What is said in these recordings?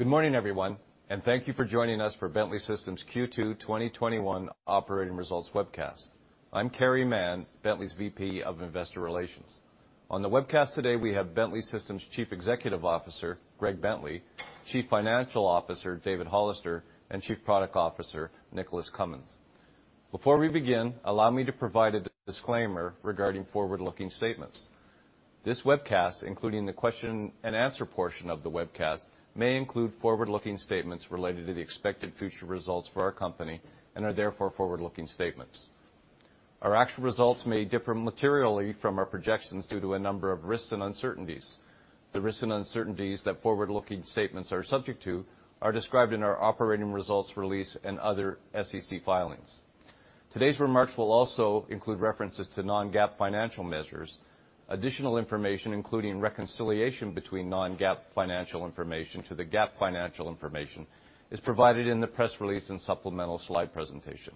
Good morning, everyone. Thank you for joining us for the Bentley Systems Q2 2021 Operating Results Webcast. I'm Carey Mann, Bentley's VP of Investor Relations. On the webcast today, we have Bentley Systems Chief Executive Officer Greg Bentley, Chief Financial Officer David Hollister, and Chief Product Officer Nicholas Cumins. Before we begin, allow me to provide a disclaimer regarding forward-looking statements. This webcast, including the question-and-answer portion of the webcast, may include forward-looking statements related to the expected future results for our company and are therefore forward-looking statements. Our actual results may differ materially from our projections due to a number of risks and uncertainties. The risks and uncertainties that forward-looking statements are subject to are described in our operating results release and other SEC filings. Today's remarks will also include references to non-GAAP financial measures. Additional information, including reconciliation between non-GAAP financial information and the GAAP financial information, is provided in the press release and supplemental slide presentation.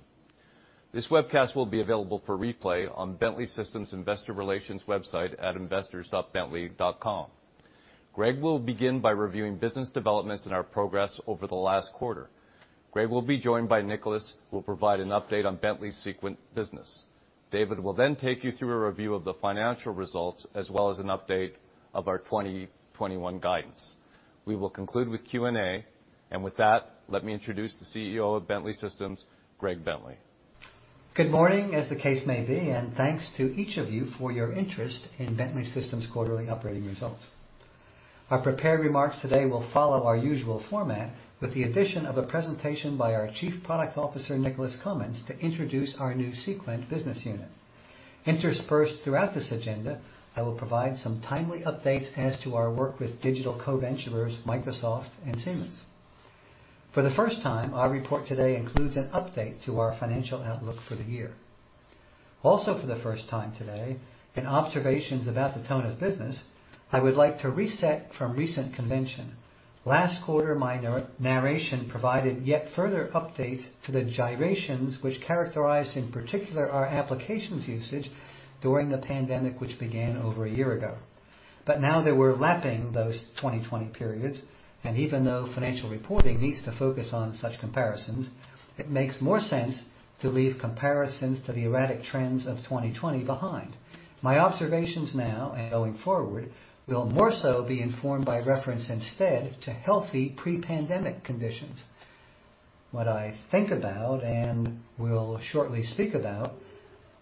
This webcast will be available for replay on Bentley Systems' Investor Relations website at investors.bentley.com. Greg will begin by reviewing business developments and our progress over the last quarter. Greg will be joined by Nicholas, who will provide an update on Bentley's Seequent business. David will take you through a review of the financial results, as well as an update of our 2021 guidance. We will conclude with Q&A. With that, let me introduce the CEO of Bentley Systems, Greg Bentley. Good morning, as the case may be, and thanks to each of you for your interest in Bentley Systems' quarterly operating results. Our prepared remarks today will follow our usual format with the addition of a presentation by our Chief Product Officer, Nicholas Cumins, to introduce our new Seequent business unit. Interspersed throughout this agenda, I will provide some timely updates as to our work with digital co-venturers, Microsoft and Siemens. For the first time, our report today includes an update to our financial outlook for the year. Also, for the first time today, in observations about the tone of business, I would like to reset from recent conventions. Last quarter, my narration provided yet further updates to the gyrations that characterized, in particular, our applications' usage during the pandemic, which began over a year ago. Now that we're lapping those 2020 periods, and even though financial reporting needs to focus on such comparisons, it makes more sense to leave comparisons to the erratic trends of 2020 behind. My observations now and going forward will more so be informed by references instead of healthy pre-pandemic conditions. When I think about and will shortly speak about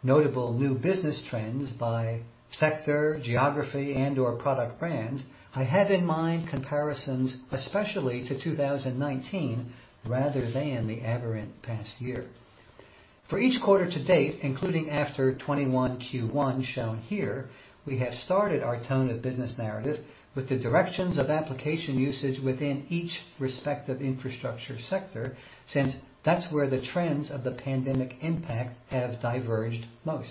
notable new business trends by sector, geography, and/or product brands, I have in mind comparisons, especially to 2019 rather than the aberrant past year. For each quarter-to-date, including after 2021 Q1 shown here, we have started our tone of business narrative with the directions of application usage within each respective infrastructure sector since that's where the trends of the pandemic's impact have diverged most.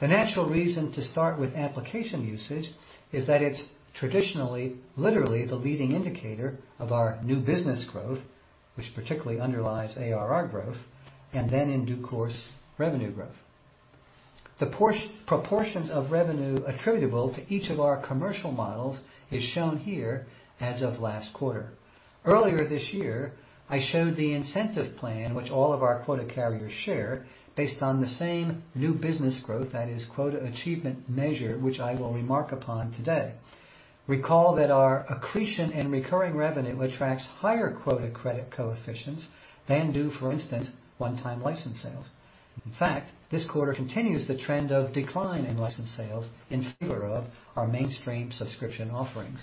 The natural reason to start with application usage is that it's traditionally, literally, the leading indicator of our new business growth, which particularly underlies ARR growth, and then, in due course, revenue growth. The proportions of revenue attributable to each of our commercial models are shown here as of last quarter. Earlier this year, I showed the incentive plan that all of our quota carriers share based on the same new business growth, that is, quota achievement measure, which I will remark upon today. Recall that our accretion and recurring revenue attract higher quota credit coefficients than does, for instance, one-time license sales. In fact, this quarter continues the trend of decline in license sales in favor of our mainstream subscription offerings.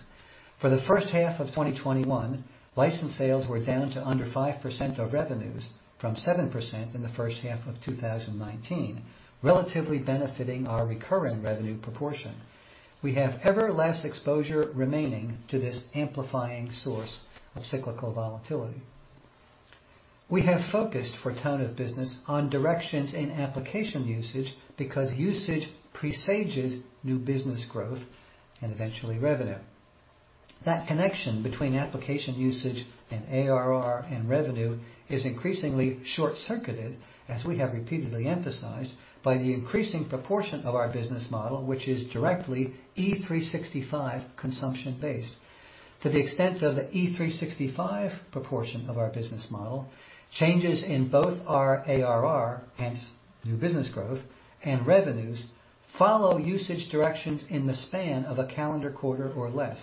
For the first half of 2021, license sales were down to under 5% of revenues from 7% in the first half of 2019, relatively benefiting our recurring revenue proportion. We have ever less exposure remaining to this amplifying source of cyclical volatility. We have focused our tone of business on directions in application usage because usage presages new business growth and eventually revenue. That connection between application usage and ARR and revenue is increasingly short-circuited, as we have repeatedly emphasized, by the increasing proportion of our business model, which is directly E365 consumption-based. To the extent of the E365 proportion of our business model, changes in both our ARR, hence new business growth, and revenues follow usage directions in the span of a calendar quarter or less.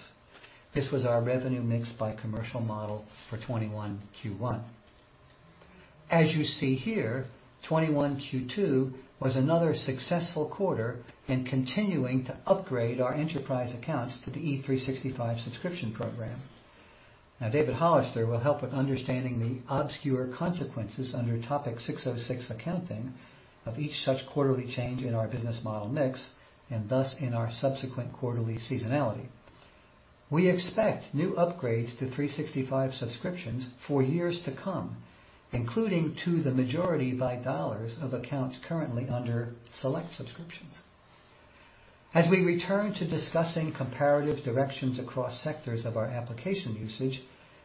This was our revenue mix by commercial model for 2021 Q1. As you see here, 2021 Q2 was another successful quarter in continuing to upgrade our enterprise accounts to the E365 subscription program. Now, David Hollister will help with understanding the obscure consequences under Topic 606 accounting of each such quarterly change in our business model mix and thus in our subsequent quarterly seasonality. We expect new upgrades to 365 subscriptions for years to come, including to the majority by dollars of accounts currently under select subscriptions. As we return to discussing comparative directions across sectors of our application usage,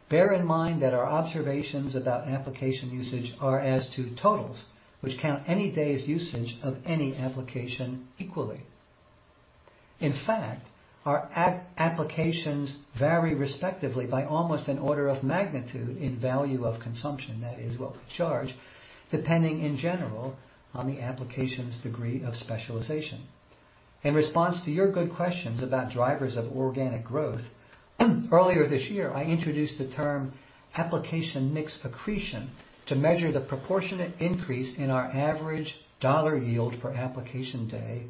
bear in mind that our observations about application usage are about totals, which count any day's usage of any application equally. In fact, our applications vary, respectively, by almost an order of magnitude in value of consumption, that is, what we charge, depending, in general, on the application's degree of specialization. In response to your good questions about drivers of organic growth, earlier this year, I introduced the term application mix accretion to measure the proportionate increase in our average dollar yield per application day,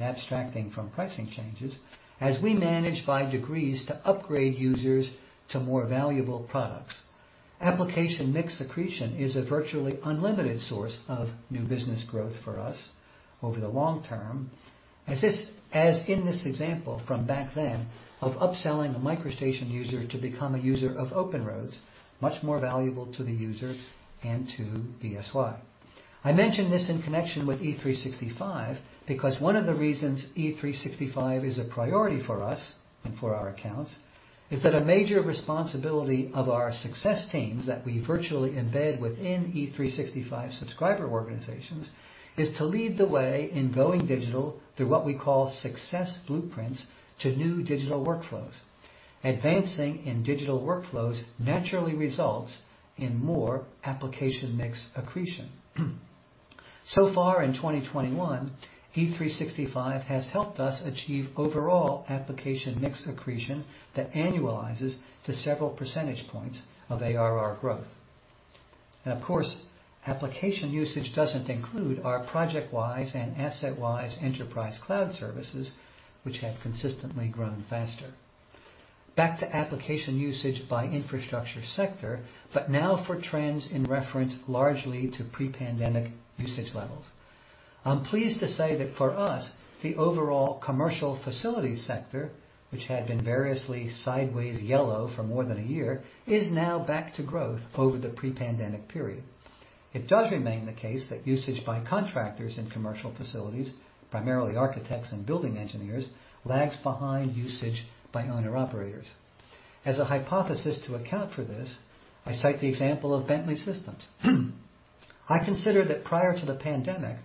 abstracting from pricing changes, as we manage by degrees to upgrade users to more valuable products. Application mix accretion is a virtually unlimited source of new business growth for us over the long term, as in this example from back then of upselling a MicroStation user to become a user of OpenRoads, much more valuable to the user and to BSY. I mention this in connection with E365 because one of the reasons E365 is a priority for us and for our accounts is that a major responsibility of our success teams that we virtually embed within E365 subscriber organizations is to lead the way in going digital through what we call success blueprints to new digital workflows. Advancing in digital workflows naturally results in more application mix accretion. So far in 2021, E365 has helped us achieve overall application mix accretion that annualizes to several percentage points of ARR growth. Of course, application usage doesn't include our ProjectWise and AssetWise enterprise cloud services, which have consistently grown faster. Back to application usage by infrastructure sector, now for trends in reference largely to pre-pandemic usage levels. I'm pleased to say that for us, the overall commercial facilities sector, which had been variously sideways and yellow for more than a year, is now back to growth over the pre-pandemic period. It does remain the case that usage by contractors in commercial facilities, primarily architects and building engineers, lags behind usage by owner-operators. As a hypothesis to account for this, I cite the example of Bentley Systems. I consider that prior to the pandemic,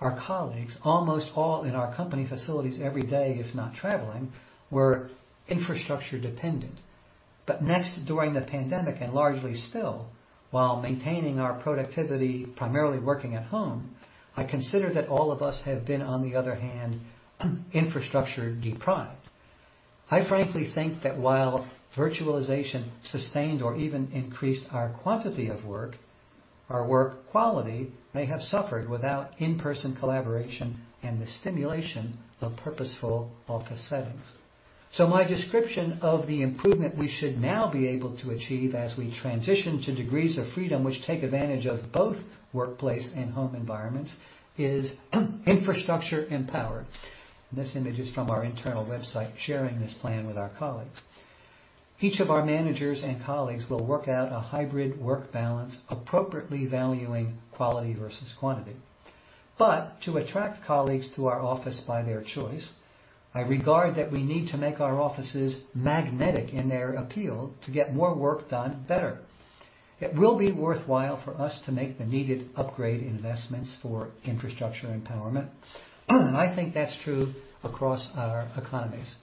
our colleagues, almost all in our company facilities every day, if not traveling, were infrastructure dependent. Next, during the pandemic, and largely still, while maintaining our productivity, primarily working at home, I consider that all of us have been, on the other hand, infrastructure-deprived. I frankly think that while virtualization sustained or even increased our quantity of work, our work quality may have suffered without in-person collaboration and the stimulation of purposeful office settings. My description of the improvement we should now be able to achieve as we transition to degrees of freedom that take advantage of both workplace and home environments is infrastructure-empowered. This image is from our internal website sharing this plan with our colleagues. Each of our managers and colleagues will work out a hybrid work balance, appropriately valuing quality versus quantity. To attract colleagues to our office by their choice, I believe that we need to make our offices magnetic in their appeal to get more work done better. It will be worthwhile for us to make the needed upgrade investments for infrastructure empowerment. I think that's true across our economies.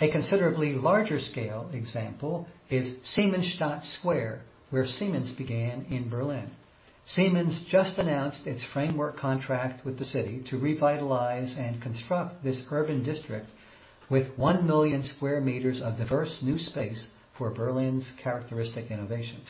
A considerably larger-scale example is Siemensstadt Square, where Siemens began in Berlin. Siemens just announced its framework contract with the city to revitalize and construct this urban district with 1 million sq m of diverse new space for Berlin's characteristic innovations.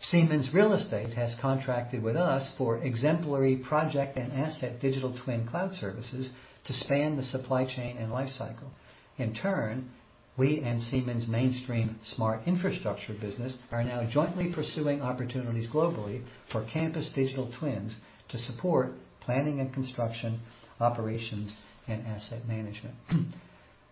Siemens Real Estate has contracted with us for exemplary project and asset digital twin cloud services to span the supply chain and life cycle. In turn, we and Siemens' mainstream smart infrastructure business are now jointly pursuing opportunities globally for campus digital twins to support planning and construction, operations, and asset management.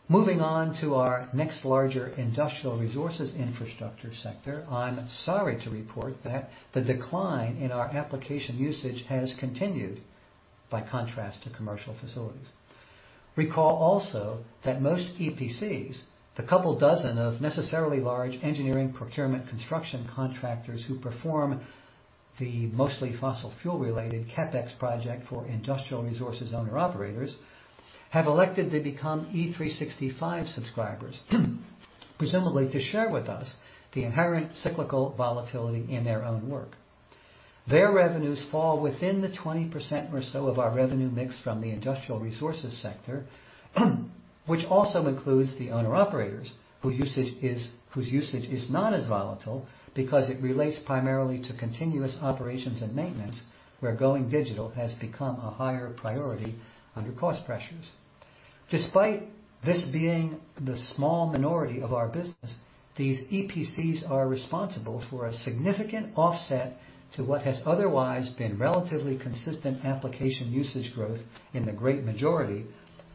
Moving on to our next larger industrial resources infrastructure sector, I'm sorry to report that the decline in our application usage has continued, in contrast to commercial facilities. Recall also that most EPCs, the couple dozen necessarily large engineering, procurement, and construction contractors who perform the mostly fossil fuel-related CapEx projects for industrial resources owner-operators, have elected to become E365 subscribers, presumably to share with us the inherent cyclical volatility in their own work. Their revenues fall within the 20% or so of our revenue mix from the industrial resources sector, which also includes the owner-operators, whose usage is not as volatile because it relates primarily to continuous operations and maintenance, where going digital has become a higher priority under cost pressures. Despite this being the small minority of our business, these EPCs are responsible for a significant offset to what has otherwise been relatively consistent application usage growth in the great majority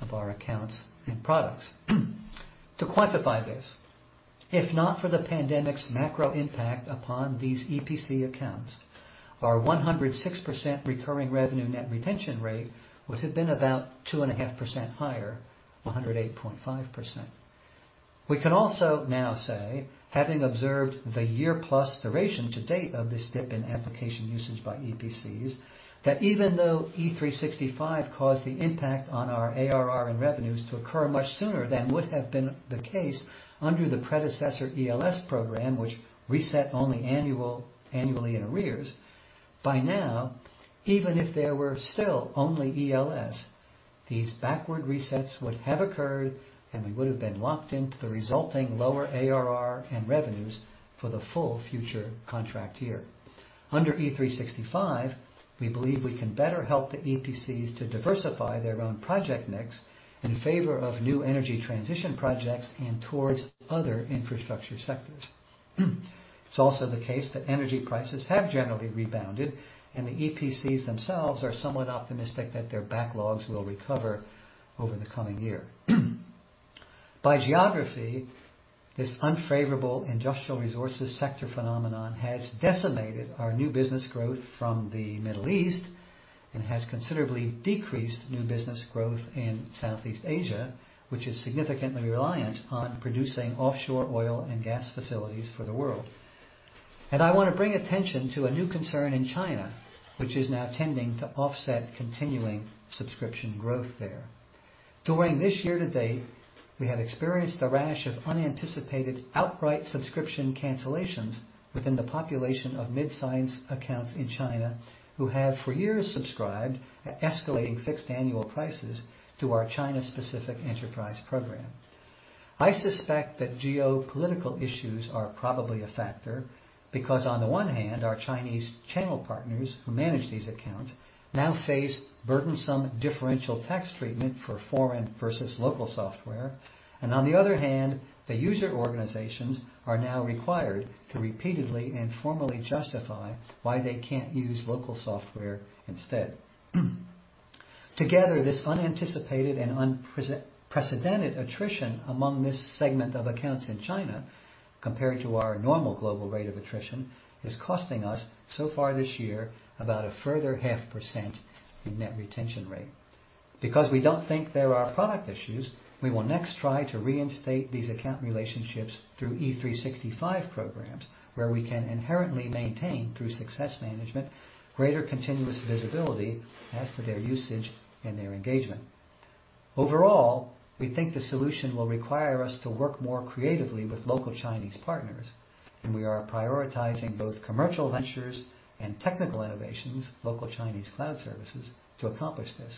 of our accounts and products. To quantify this, if not for the pandemic's macro impact upon these EPC accounts, our 106% recurring revenue net retention rate would have been about 2.5% higher, 108.5%. We can also now say, having observed the year-plus duration to date of this dip in application usage by EPCs, that even though E365 caused the impact on our ARR and revenues to occur much sooner than would have been the case under the predecessor ELS program, which reset only annually in arrears. By now, even if there were still only ELS, these backward resets would have occurred, and we would've been locked into the resulting lower ARR and revenues for the full future contract year. Under E365, we believe we can better help the EPCs to diversify their own project mix in favor of new energy transition projects and towards other infrastructure sectors. It's also the case that energy prices have generally rebounded, and the EPCs themselves are somewhat optimistic that their backlogs will recover over the coming year. By geography, this unfavorable industrial resources sector phenomenon has decimated our new business growth from the Middle East and has considerably decreased new business growth in Southeast Asia, which is significantly reliant on producing offshore oil and gas facilities for the world. I want to bring attention to one new concern in China, which is now tending to offset continuing subscription growth there. During this year-to-date, we have experienced a rash of unanticipated, outright subscription cancellations within the population of mid-sized accounts in China who have for years subscribed at escalating fixed annual prices to our China-specific enterprise program. I suspect that geopolitical issues are probably a factor because, on the one hand, our Chinese channel partners who manage these accounts now face burdensome differential tax treatment for foreign versus local software. On the other hand, the user organizations are now required to repeatedly and formally justify why they can't use local software instead. Together, this unanticipated and unprecedented attrition among this segment of accounts in China compared to our normal global rate of attrition is costing us so far this year about a further 0.5% in net retention rate. We don't think there are product issues, we will next try to reinstate these account relationships through E365 programs, where we can inherently maintain, through success management, greater continuous visibility as to their usage and their engagement. We think the solution will require us to work more creatively with local Chinese partners, and we are prioritizing both commercial ventures and technical innovations, including local Chinese cloud services, to accomplish this.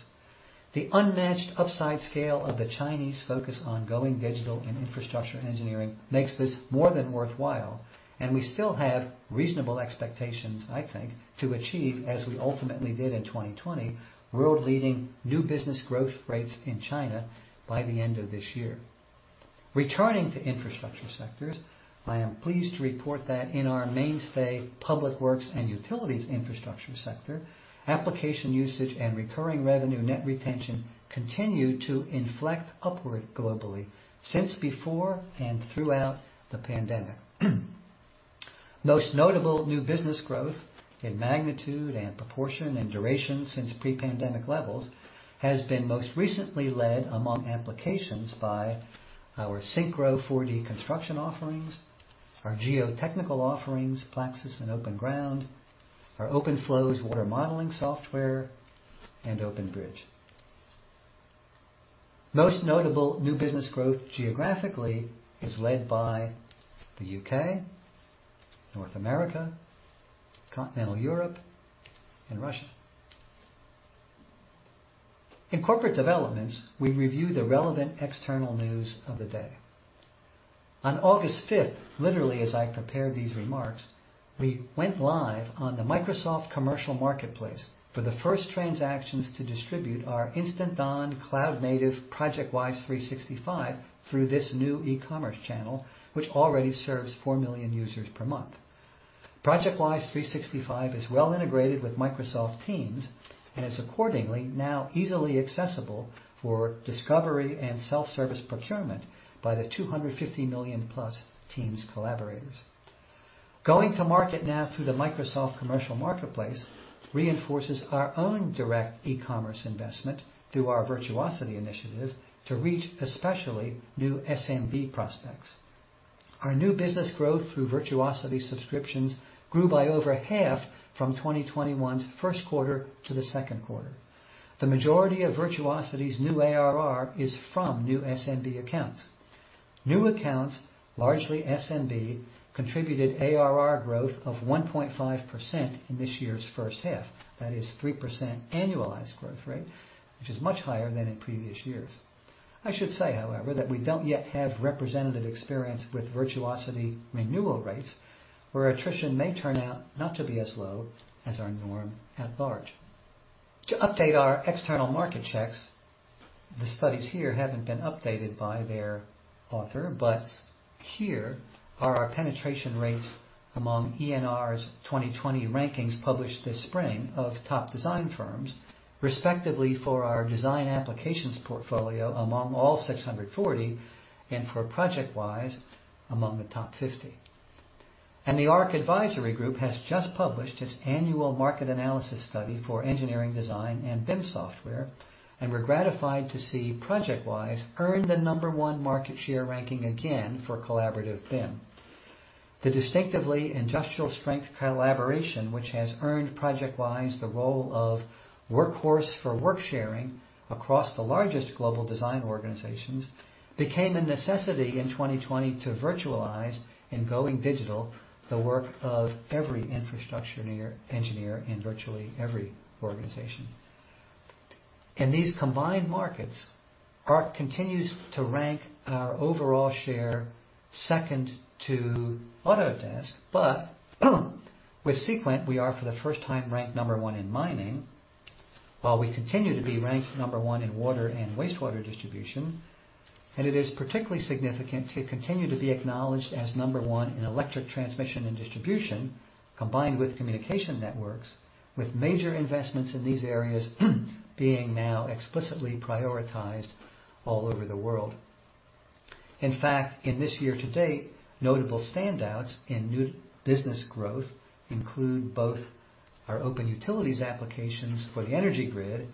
The unmatched upside scale of the Chinese focus on going digital and infrastructure engineering makes this more than worthwhile, and we still have reasonable expectations, I think, to achieve, as we ultimately did in 2020, world-leading new business growth rates in China by the end of this year. Returning to infrastructure sectors, I am pleased to report that in our mainstay public works and utilities infrastructure sector, application usage and recurring revenue net retention continue to reflect upward globally since before and throughout the pandemic. Most notable new business growth in magnitude, proportion, and duration since pre-pandemic levels has been most recently led among applications by our SYNCHRO 4D construction offerings, our geotechnical offerings, PLAXIS and OpenGround, our OpenFlows Water modeling software, and OpenBridge. Most notable new business growth geographically is led by the U.K., North America, continental Europe, and Russia. In corporate developments, we review the relevant external news of the day. On August 5th, literally as I prepared these remarks, we went live on the Microsoft commercial marketplace for the first transactions to distribute our instant-on, cloud-native ProjectWise 365 through this new e-commerce channel, which already serves four million users per month. ProjectWise 365 is well integrated with Microsoft Teams and is, accordingly, now easily accessible for discovery and self-service procurement by the +250 million Teams collaborators. Going to market now through the Microsoft commercial marketplace reinforces our own direct e-commerce investment through our Virtuosity initiative to reach especially new SMB prospects. Our new business growth through Virtuosity subscriptions grew by over half from 2021's first quarter to the second quarter. The majority of Virtuosity's new ARR is from new SMB accounts. New accounts, largely SMB, contributed ARR growth of 1.5% in this year's first half. That is a 3% annualized growth rate, which is much higher than in previous years. I should say, however, that we don't yet have representative experience with Virtuosity renewal rates, where attrition may turn out not to be as low as our norm at large. To update our external market checks, the studies here haven't been updated by their author. Here are our penetration rates among ENR's 2020 rankings published this spring of top design firms, respectively, for our design applications portfolio among all 640 and for ProjectWise among the top 50. The ARC Advisory Group has just published its annual market analysis study for engineering design and BIM software, and we're gratified to see ProjectWise earn the number one market share ranking again for collaborative BIM. The distinctively industrial-strength collaboration, which has earned ProjectWise the role of workhorse for work sharing across the largest global design organizations, became a necessity in 2020 to virtualize and go digital the work of every infrastructure engineer in virtually every organization. In these combined markets, ARC continues to rank our overall share second to Autodesk, but with Seequent, we are for the first time ranked number one in mining, while we continue to be ranked number one in water and wastewater distribution. It is particularly significant to continue to be acknowledged as number one in electric transmission and distribution, combined with communication networks, with major investments in these areas being now explicitly prioritized all over the world. In fact, in this year-to-date, notable standouts in new business growth include both our OpenUtilities applications for the energy grid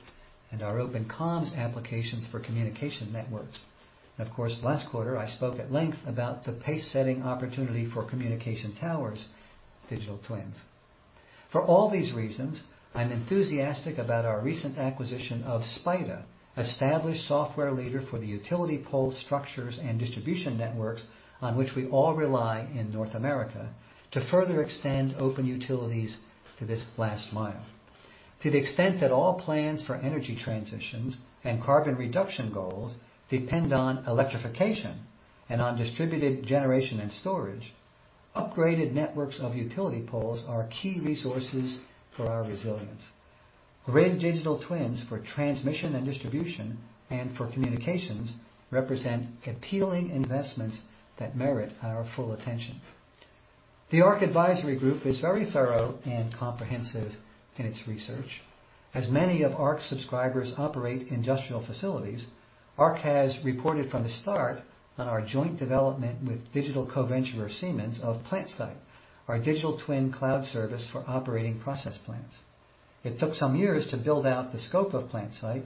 and our OpenComms applications for communication networks. Of course, last quarter, I spoke at length about the pace-setting opportunity for communication towers, digital twins. For all these reasons, I'm enthusiastic about our recent acquisition of SPIDA, an established software leader for the utility pole structures and distribution networks on which we all rely in North America, to further extend OpenUtilities to this last mile. To the extent that all plans for energy transitions and carbon reduction goals depend on electrification and on distributed generation and storage, upgraded networks of utility poles are key resources for our resilience. Grid digital twins for transmission and distribution and for communications represent appealing investments that merit our full attention. The ARC Advisory Group is very thorough and comprehensive in its research. As many of ARC's subscribers operate industrial facilities, ARC has reported from the start on our joint development with the digital co-venture of Siemens of PlantSight, our digital twin cloud service for operating process plants. It took some years to build out the scope of PlantSight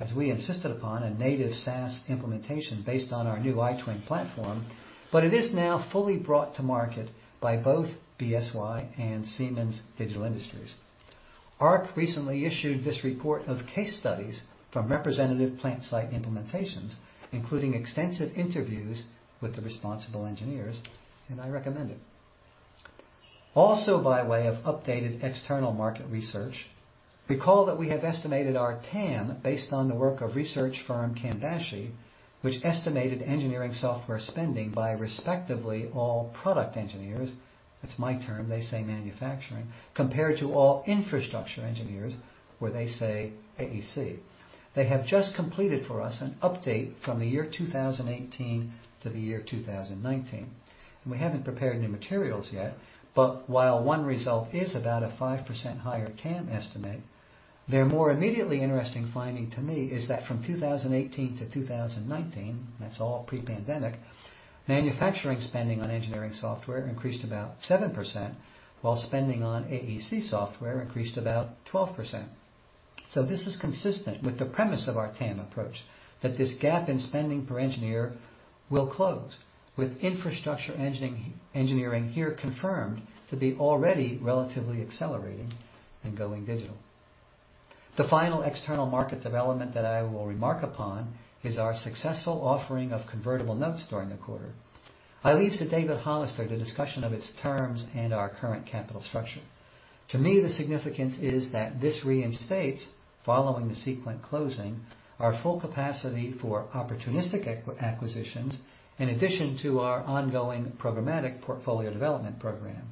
as we insisted upon a native SaaS implementation based on our new iTwin platform, but it is now fully brought to market by both BSY and Siemens Digital Industries. ARC recently issued this report of case studies from representative PlantSight implementations, including extensive interviews with the responsible engineers, and I recommend it. Also by way of updated external market research, recall that we have estimated our TAM based on the work of research firm Cambashi, which estimated engineering software spending by, respectively, all product engineers, that's my term, they say manufacturing, compared to all infrastructure engineers, where they say AEC. They have just completed for us an update from the year 2018 to the year 2019. We haven't prepared new materials yet, but while one result is about a 5% higher TAM estimate, a more immediately interesting finding to me is that from 2018 to 2019, which is all pre-pandemic, manufacturing spending on engineering software increased about 7%, while spending on AEC software increased about 12%. This is consistent with the premise of our TAM approach, that this gap in spending per engineer will close with infrastructure engineering here confirmed to be already relatively accelerating and going digital. The final external market development that I will remark upon is our successful offering of convertible notes during the quarter. I leave to David Hollister the discussion of its terms and our current capital structure. To me, the significance is that this reinstates, following the Seequent closing, our full capacity for opportunistic acquisitions in addition to our ongoing programmatic portfolio development program.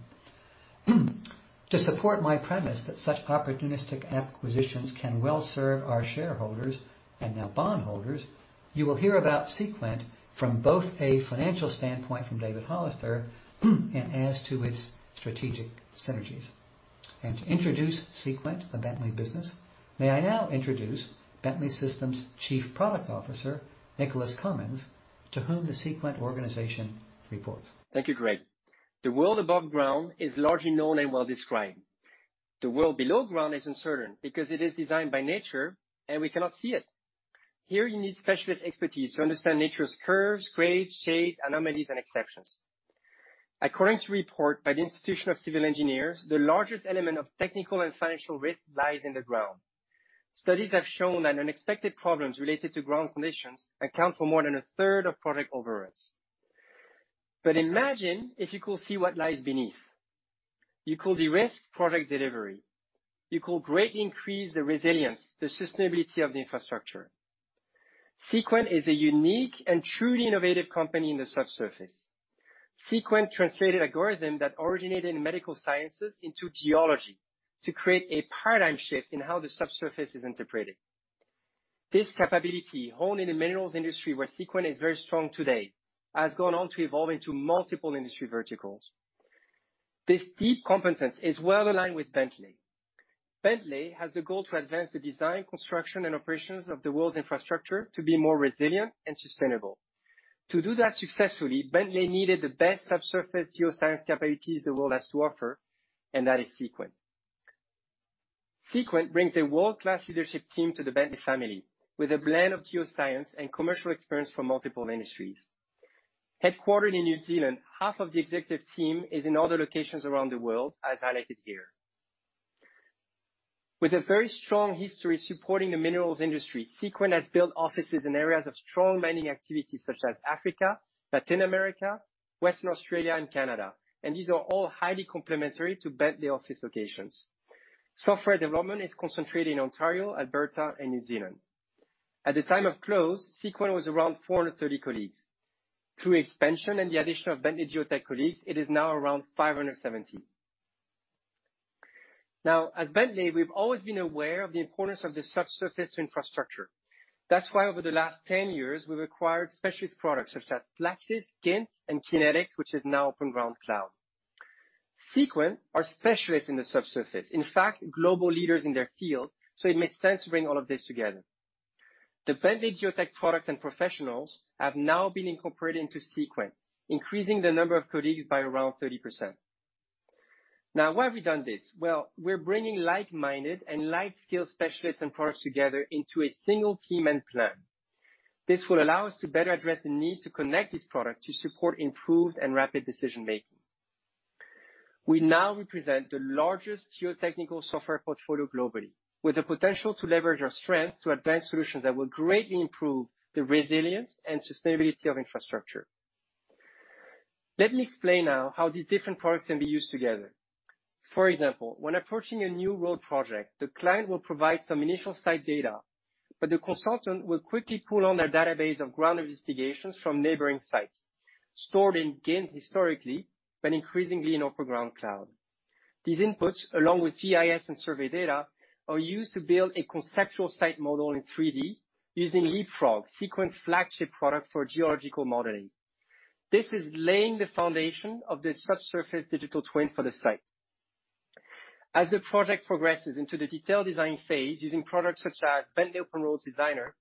To support my premise that such opportunistic acquisitions can well serve our shareholders and now bondholders, you will hear about Seequent from both a financial standpoint from David Hollister and as to its strategic synergies. To introduce Seequent, the Bentley business, may I now introduce Bentley Systems Chief Product Officer, Nicholas Cumins, to whom the Seequent organization reports? Thank you, Greg. The world above ground is largely known and well-described. The world below ground is uncertain because it is designed by nature and we cannot see it. Here you need specialist expertise to understand nature's curves, grades, shapes, anomalies, and exceptions. According to a report by the Institution of Civil Engineers, the largest element of technical and financial risk lies in the ground. Studies have shown that unexpected problems related to ground conditions account for more than a third of project overruns. Imagine if you could see what lies beneath. You could de-risk project delivery. You could greatly increase the resilience and the sustainability of the infrastructure. Seequent is a unique and truly innovative company in the subsurface. Seequent translated an algorithm that originated in medical sciences into geology to create a paradigm shift in how the subsurface is interpreted. This capability, honed in the minerals industry, where Seequent is very strong today, has gone on to evolve into multiple industry verticals. This deep competence is well aligned with Bentley. Bentley has the goal to advance the design, construction, and operations of the world's infrastructure to be more resilient and sustainable. To do that successfully, Bentley needed the best subsurface geoscience capabilities the world has to offer, and that is Seequent. Seequent brings a world-class leadership team to the Bentley family, with a blend of geoscience and commercial experience from multiple industries. Headquartered in New Zealand, half of the executive team is in other locations around the world, as highlighted here. With a very strong history supporting the minerals industry, Seequent has built offices in areas of strong mining activity such as Africa, Latin America, Western Australia, and Canada, and these are all highly complementary to Bentley office locations. Software development is concentrated in Ontario, Alberta, and New Zealand. At the time of close, Seequent had around 430 colleagues. Through expansion and the addition of Bentley Geotech colleagues, it is now around 570. As Bentley, we've always been aware of the importance of subsurface infrastructure. That's why over the last 10 years, we've acquired specialist products such as PLAXIS, gINT, and Keynetix, which is now OpenGround Cloud. Seequent are specialists in the subsurface, in fact, they are global leaders in their field. It made sense to bring all of this together. The Bentley Geotech products and professionals have now been incorporated into Seequent, increasing the number of colleagues by around 30%. Why have we done this? Well, we're bringing like-minded and like-skill specialists and products together into a single team and plan. This will allow us to better address the need to connect this product to support improved and rapid decision-making. We now represent the largest geotechnical software portfolio globally, with the potential to leverage our strength to advance solutions that will greatly improve the resilience and sustainability of infrastructure. Let me explain now how these different products can be used together. For example, when approaching a new road project, the client will provide some initial site data. The consultant will quickly pull on their database of ground investigations from neighboring sites stored in gINT historically but increasingly in OpenGround Cloud. These inputs, along with GIS and survey data, are used to build a conceptual site model in 3D using Leapfrog, Seequent's flagship product for geological modeling. This is laying the foundation of the subsurface digital twin for the site. As the project progresses into the detailed design phase, using products such as Bentley OpenRoads Designer,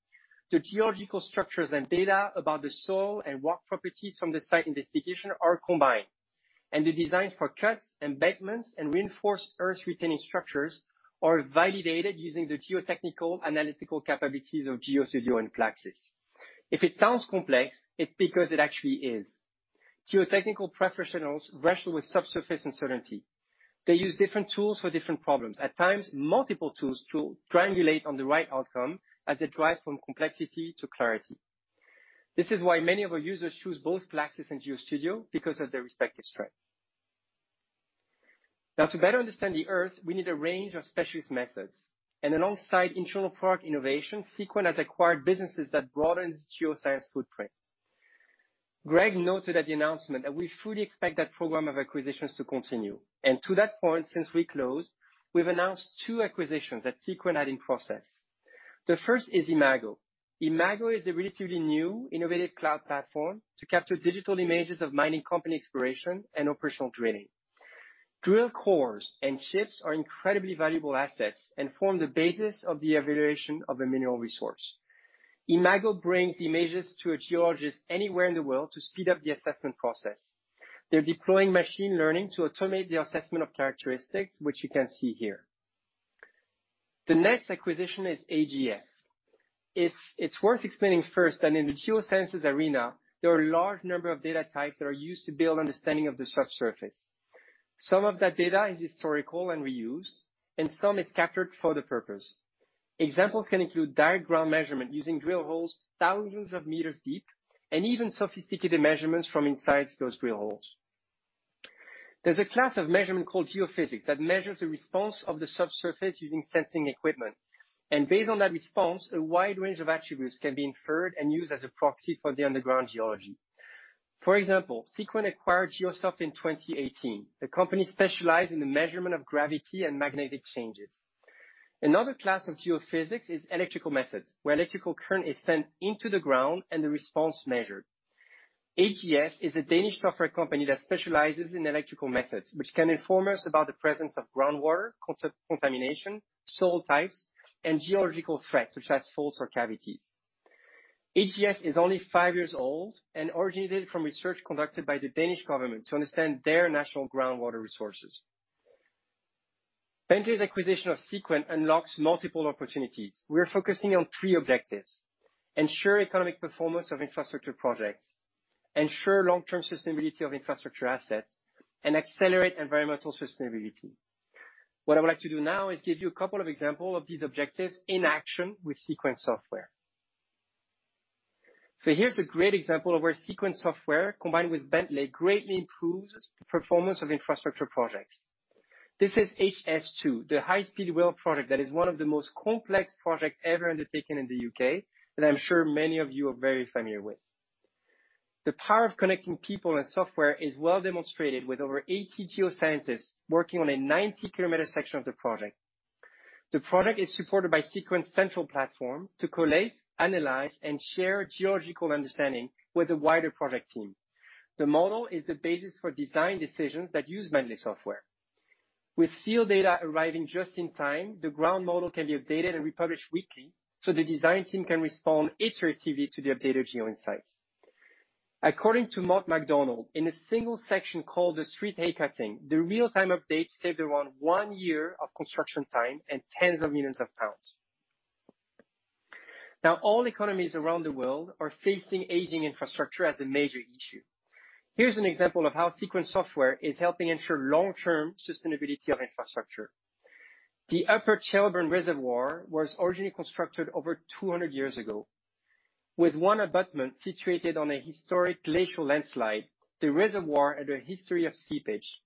the geological structures and data about the soil and rock properties from the site investigation are combined, and the designs for cuts, embedments, and reinforced earth-retaining structures are validated using the geotechnical analytical capabilities of GeoStudio and PLAXIS. If it sounds complex, it's because it actually is. Geotechnical professionals wrestle with subsurface uncertainty. They use different tools for different problems, and at times, multiple tools to triangulate on the right outcome as they drive from complexity to clarity. This is why many of our users choose both PLAXIS and GeoStudio, because of their respective strength. Now, to better understand the Earth, we need a range of specialist methods, and alongside internal product innovation, Seequent has acquired businesses that broaden the geoscience footprint. Greg noted at the announcement that we fully expect that program of acquisitions to continue. To that point, since we closed, we've announced two acquisitions that Seequent had in process. The first is Imago. Imago is a relatively new innovative cloud platform to capture digital images of mining company exploration and operational drilling. Drill cores and chips are incredibly valuable assets and form the basis of the evaluation of a mineral resource. Imago brings images to a geologist anywhere in the world to speed up the assessment process. They're deploying machine learning to automate the assessment of characteristics, which you can see here. The next acquisition is AGS. It's worth explaining first that in the geosciences arena, there are a large number of data types that are used to build understanding of the subsurface. Some of that data is historical and reused, and some is captured for the purpose. Examples can include direct ground measurement using drill holes thousands of meters deep and even sophisticated measurements from inside those drill holes. There's a class of measurement called geophysics that measures the response of the subsurface using sensing equipment. Based on that response, a wide range of attributes can be inferred and used as a proxy for the underground geology. For example, Seequent acquired Geosoft in 2018. The company specialized in the measurement of gravity and magnetic changes. Another class of geophysics is electrical methods, where electrical current is sent into the ground and the response measured. AGS is a Danish software company that specializes in electrical methods, which can inform us about the presence of groundwater, contamination, soil types, and geological threats, such as faults or cavities. AGS is only five years old and originated from research conducted by the Danish government to understand their national groundwater resources. Bentley Systems' acquisition of Seequent unlocks multiple opportunities. We are focusing on three objectives: ensure economic performance of infrastructure projects, ensure long-term sustainability of infrastructure assets, and accelerate environmental sustainability. What I would like to do now is give you a couple of examples of these objectives in action with Seequent software. Here's a great example of where Seequent software, combined with Bentley, greatly improves the performance of infrastructure projects. This is HS2, the high-speed rail project that is one of the most complex projects ever undertaken in the U.K., and I'm sure many of you are very familiar with. The power of connecting people and software is well demonstrated with over 80 geoscientists working on a 90-kilometer section of the project. The project is supported by Seequent's central platform to collate, analyze, and share geological understanding with the wider project team. The model is the basis for design decisions that use Bentley software. With field data arriving just in time, the ground model can be updated and republished weekly so the design team can respond iteratively to the updated geo insights. According to Mott MacDonald, in a single section called the Street A cutting, the real-time updates saved around one year of construction time and tens of millions of GBP. All economies around the world are facing aging infrastructure as a major issue. Here's an example of how Seequent software is helping ensure the long-term sustainability of infrastructure. The Upper Chelburn Reservoir was originally constructed over 200 years ago. With one abutment situated on a historic glacial landslide, the reservoir had a history of seepage.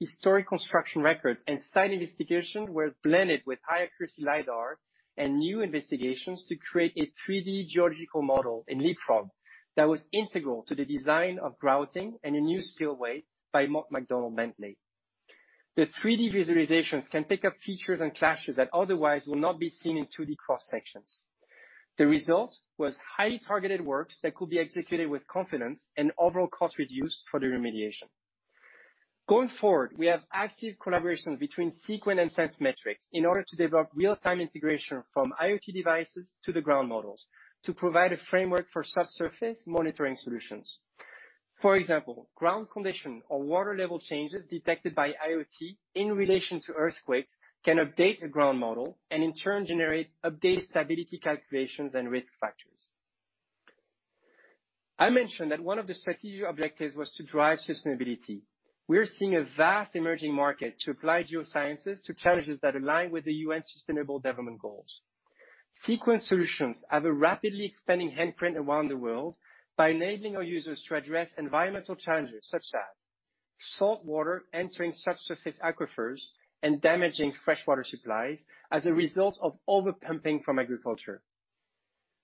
Historic construction records and site investigation were blended with high-accuracy LIDAR and new investigations to create a 3D geological model in Leapfrog that was integral to the design of grouting and a new spillway by Mott MacDonald Bentley. The 3D visualizations can pick up features and clashes that otherwise will not be seen in 2D cross-sections. The result was highly targeted works that could be executed with confidence and an overall cost reduced for the remediation. Going forward, we have active collaborations between Seequent and sensemetrics in order to develop real-time integration from IoT devices to the ground models to provide a framework for subsurface monitoring solutions. For example, ground condition or water level changes detected by IoT in relation to earthquakes can update the ground model and in turn generate updated stability calculations and risk factors. I mentioned that one of the strategic objectives was to drive sustainability. We are seeing a vast emerging market to apply geosciences to challenges that align with the UN sustainable development goals. Seequent solutions have a rapidly expanding handprint around the world by enabling our users to address environmental challenges such as saltwater entering subsurface aquifers and damaging freshwater supplies as a result of overpumping from agriculture,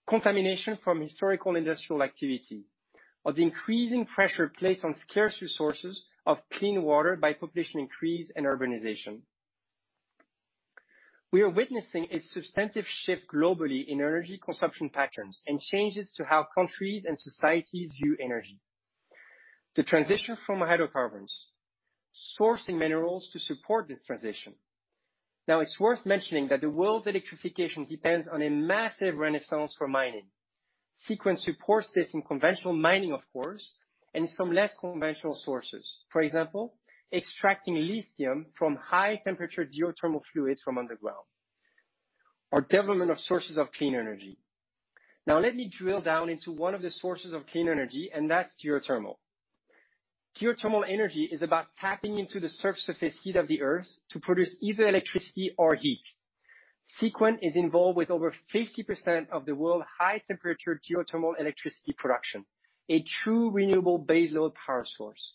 contamination from historical industrial activity, or the increasing pressure placed on scarce resources of clean water by population increase and urbanization. We are witnessing a substantive shift globally in energy consumption patterns and changes to how countries and societies view energy. The transition from hydrocarbons requires sourcing minerals to support this transition. Now, it's worth mentioning that the world's electrification depends on a massive renaissance for mining. Seequent supports this in conventional mining, of course, and some less conventional sources. For example, extracting lithium from high-temperature geothermal fluids from underground or developing sources of clean energy. Now let me drill down into one of the sources of clean energy, and that's geothermal. Geothermal energy is about tapping into the subsurface heat of the Earth to produce either electricity or heat. Seequent is involved with over 50% of the world's high-temperature geothermal electricity production, a true renewable baseload power source.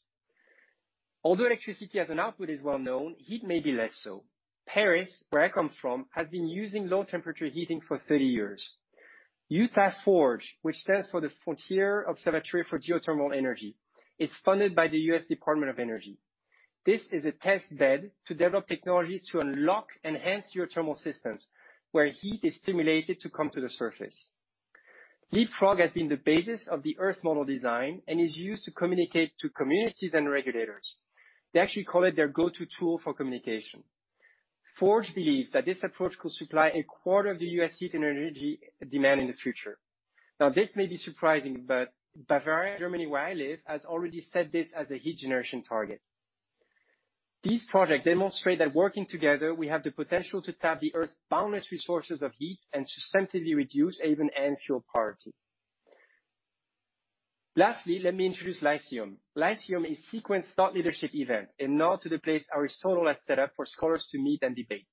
Although electricity as an output is well known, heat may be less so. Paris, where I come from, has been using low-temperature heating for 30 years. Utah FORGE, which stands for the Frontier Observatory for Geothermal Energy, is funded by the U.S. Department of Energy. This is a test bed to develop technologies to unlock enhanced geothermal systems where heat is stimulated to come to the surface. Leapfrog has been the basis of the Earth model design and is used to communicate to communities and regulators. They actually call it their go-to tool for communication. FORGE believes that this approach could supply a quarter of the U.S. heat and energy demand in the future. Now, this may be surprising, but Bavaria, Germany, where I live, has already set this as a heat generation target. These projects demonstrate that working together, we have the potential to tap the Earth's boundless resources of heat and substantively reduce or even end fuel poverty. Lastly, let me introduce Lyceum. Lyceum is Seequent's thought leadership event, a nod to the place Aristotle had set up for scholars to meet and debate.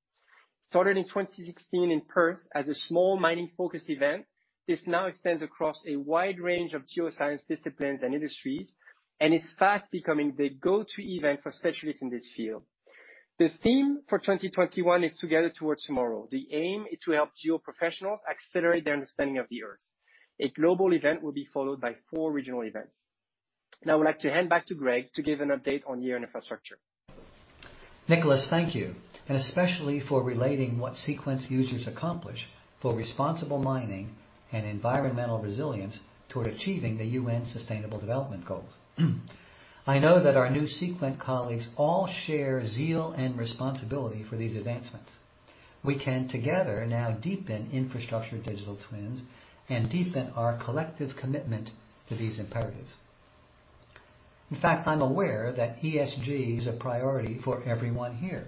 Started in 2016 in Perth as a small mining-focused event, this now extends across a wide range of geoscience disciplines and industries, and it's fast becoming the go-to event for specialists in this field. The theme for 2021 is Together Towards Tomorrow. The aim is to help geo professionals accelerate their understanding of the Earth. A global event will be followed by four regional events. I'd like to hand back to Greg to give an update on Year in Infrastructure. Nicholas, thank you, especially for relating what Seequent users accomplish for responsible mining and environmental resilience toward achieving the UN Sustainable Development Goals. I know that our new Seequent colleagues all share zeal and responsibility for these advancements. We can together now deepen digital infrastructure twins and deepen our collective commitment to these imperatives. In fact, I am aware that ESG is a priority for everyone here,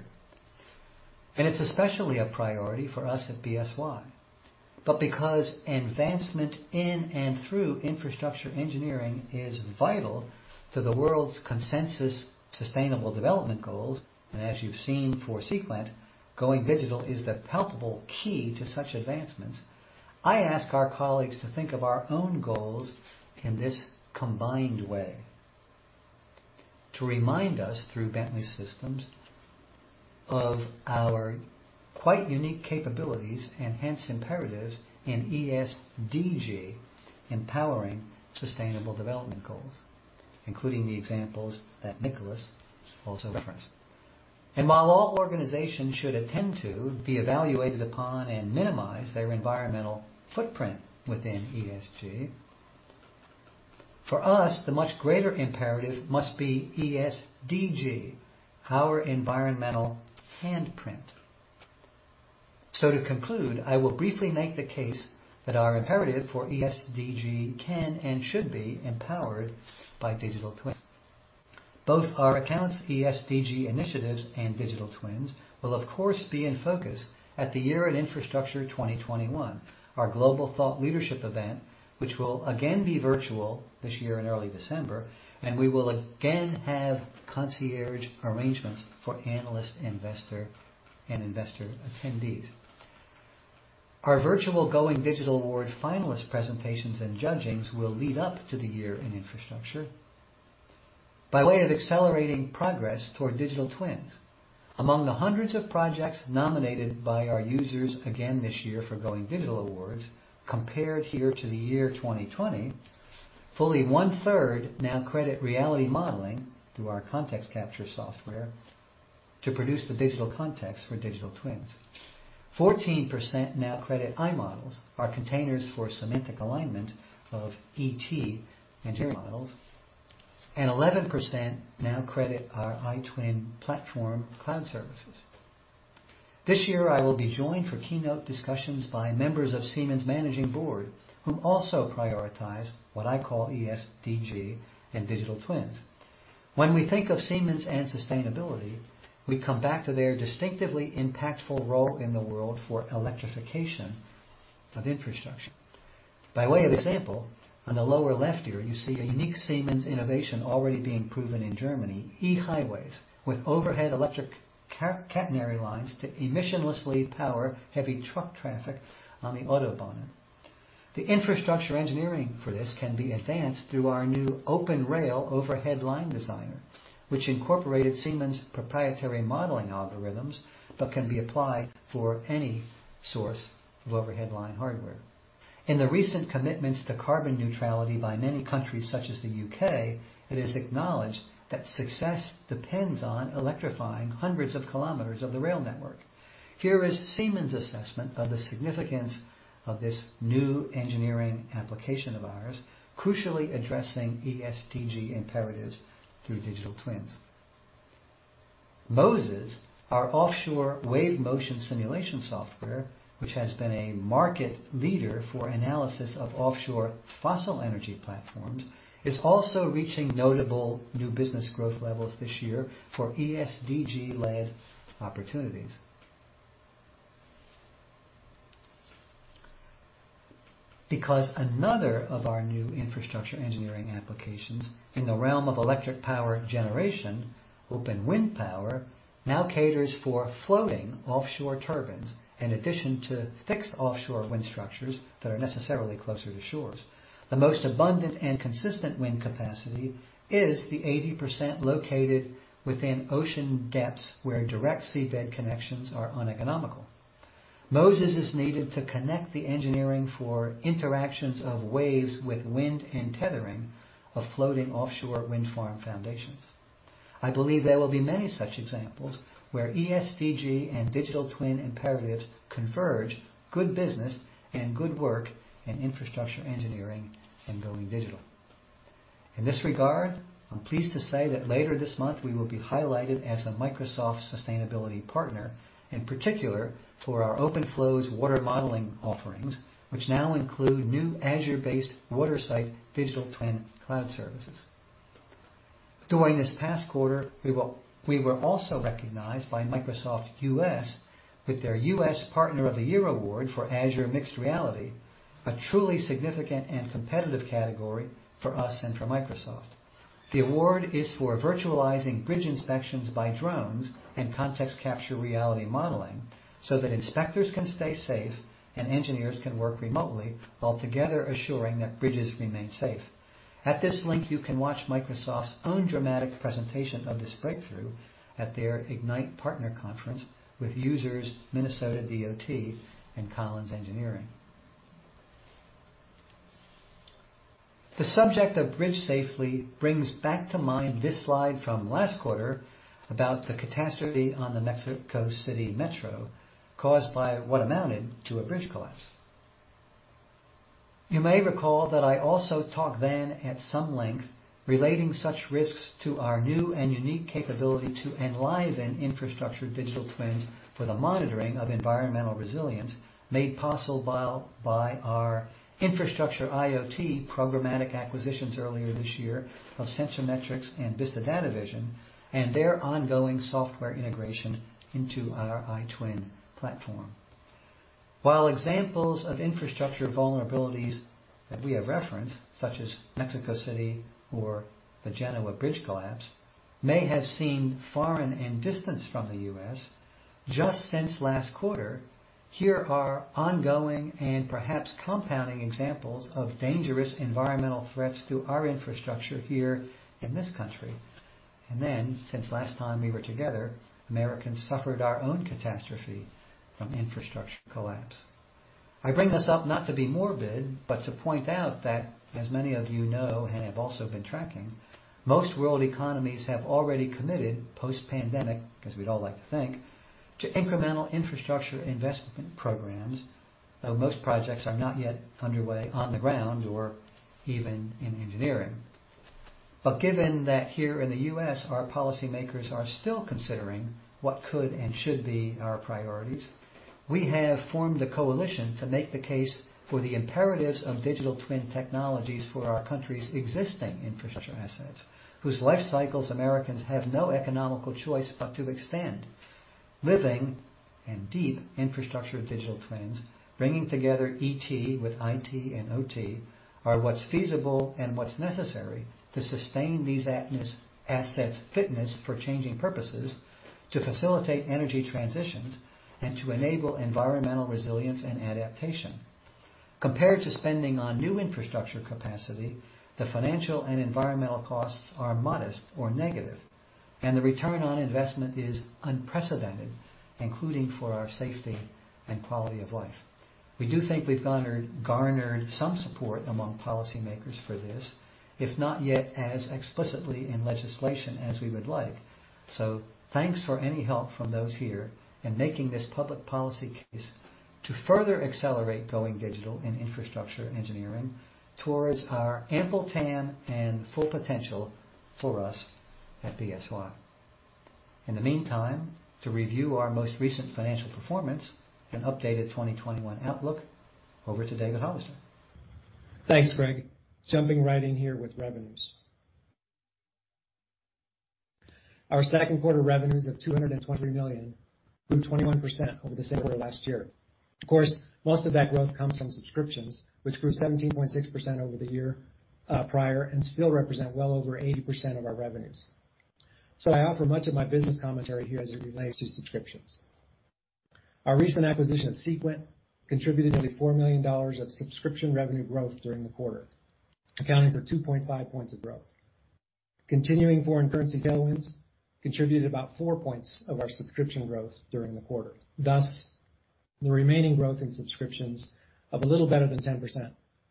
and it is especially a priority for us at BSY. Because advancement in and through infrastructure engineering is vital to the world's consensus sustainable development goals, and as you have seen for Seequent, going digital is the palpable key to such advancements. I ask our colleagues to think of our own goals in this combined way. To remind us through Bentley Systems of our quite unique capabilities and, hence, imperatives in ESDG, Empowering Sustainable Development Goals. Including the examples that Nicholas also referenced. While all organizations should attend to, be evaluated upon, and minimize their environmental footprint within ESG, for us, the much greater imperative must be ESDG, our environmental handprint. To conclude, I will briefly make the case that our imperative for ESDG can and should be empowered by digital twins. Both our accounts, ESDG initiatives, and digital twins will, of course, be in focus at the Year in Infrastructure 2021, our global thought leadership event, which will again be virtual this year in early December, and we will again have concierge arrangements for analyst and investor attendees. Our virtual Going Digital Awards finalist presentations and judgings will lead up to the Year in Infrastructure by way of accelerating progress toward digital twins. Among the hundreds of projects nominated by our users again this year for Going Digital Awards, compared to the year 2020, fully one-third now credit reality modeling through our ContextCapture software to produce the digital context for digital twins. 14% now credit iModels, our containers for semantic alignment of ET and iModels, and 11% now credit our iTwin platform cloud services. This year, I will be joined for keynote discussions by members of the Siemens Managing Board, who also prioritize what I call ESDG and digital twins. When we think of Siemens and sustainability, we come back to their distinctively impactful role in the world for electrification of infrastructure. By way of example, on the lower left here, you see a unique Siemens innovation already being proven in Germany, eHighways, with overhead electric catenary lines to emissionlessly power heavy truck traffic on the autobahn. The infrastructure engineering for this can be advanced through our new OpenRail Overhead Line Designer, which incorporates Siemens' proprietary modeling algorithms but can be applied to any source of overhead line hardware. In the recent commitments to carbon neutrality by many countries such as the U.K., it is acknowledged that success depends on electrifying hundreds of kilometers of the rail network. Here is Siemens' assessment of the significance of this new engineering application of ours, crucially addressing ESDG imperatives through digital twins. MOSES, our offshore wave motion simulation software, which has been a market leader for analysis of offshore fossil energy platforms, is also reaching notable new business growth levels this year for ESDG-led opportunities. Another of our new infrastructure engineering applications in the realm of electric power generation, OpenWindPower, now caters for floating offshore turbines in addition to fixed offshore wind structures that are necessarily closer to shores. The most abundant and consistent wind capacity is the 80% located within ocean depths where direct seabed connections are uneconomical. MOSES is needed to connect the engineering for interactions of waves with wind and tethering of floating offshore wind farm foundations. I believe there will be many such examples where ESDG and digital twin imperatives converge good business and good work in infrastructure engineering and going digital. In this regard, I am pleased to say that later this month, we will be highlighted as a Microsoft sustainability partner, in particular for our OpenFlows Water modeling offerings, which now include new Azure-based WaterSight digital twin cloud services. During this past quarter, we were also recognized by Microsoft U.S. with their U.S. Partner of the Year award for Azure Mixed Reality, a truly significant and competitive category for us and for Microsoft. The award is for virtualizing bridge inspections by drones and ContextCapture reality modeling so that inspectors can stay safe and engineers can work together remotely while assuring that bridges remain safe. At this link, you can watch Microsoft's own dramatic presentation of this breakthrough at their Microsoft Ignite with users Minnesota DOT and Collins Engineers, Inc. The subject of bridge safety brings back to mind this slide from last quarter about the catastrophe on the Mexico City Metro caused by what amounted to a bridge collapse. You may recall that I also talked then at some length relating such risks to our new and unique capability to enliven infrastructure digital twins for the monitoring of environmental resilience made possible by our infrastructure IoT programmatic acquisitions earlier this year of sensemetrics and Vista Data Vision and their ongoing software integration into our iTwin platform. While examples of infrastructure vulnerabilities that we have referenced, such as Mexico City or the Genoa bridge collapse, may have seemed foreign and distant from the U.S., just since last quarter, here are ongoing and perhaps compounding examples of dangerous environmental threats to our infrastructure here in this country. Since the last time we were together, Americans suffered our own catastrophe from infrastructure collapse. I bring this up not to be morbid, but to point out that as many of you know and have also been tracking, most world economies have already committed post-pandemic, as we'd all like to think, to incremental infrastructure investment programs, though most projects are not yet underway on the ground or even in engineering. Given that here in the U.S., our policymakers are still considering what could and should be our priorities, we have formed a coalition to make the case for the imperatives of digital twin technologies for our country's existing infrastructure assets, whose life cycles Americans have no economical choice but to extend. Living and deep infrastructure digital twins, bringing together ET with IT and OT, are what's feasible and what's necessary to sustain these assets' fitness for changing purposes, to facilitate energy transitions, and to enable environmental resilience and adaptation. Compared to spending on new infrastructure capacity, the financial and environmental costs are modest or negative, and the return on investment is unprecedented, including for our safety and quality of life. We do think we've garnered some support among policymakers for this, if not yet as explicitly in legislation as we would like. Thanks for any help from those here in making this public policy case to further accelerate going digital in infrastructure engineering towards our ample TAM and full potential for us at BSY. In the meantime, to review our most recent financial performance and updated 2021 outlook, over to you, David Hollister. Thanks, Greg. Jumping right in here with revenues. Our second quarter revenues of $220 million grew 21% over the same quarter last year. Of course, most of that growth comes from subscriptions, which grew 17.6% over the year prior and still represent well over 80% of our revenues. I offer much of my business commentary here as it relates to subscriptions. Our recent acquisition of Seequent contributed to the $4 million of subscription revenue growth during the quarter, accounting for 2.5 points of growth. Continuing foreign currency tailwinds contributed about four points of our subscription growth during the quarter. The remaining growth in subscriptions of a little better than 10%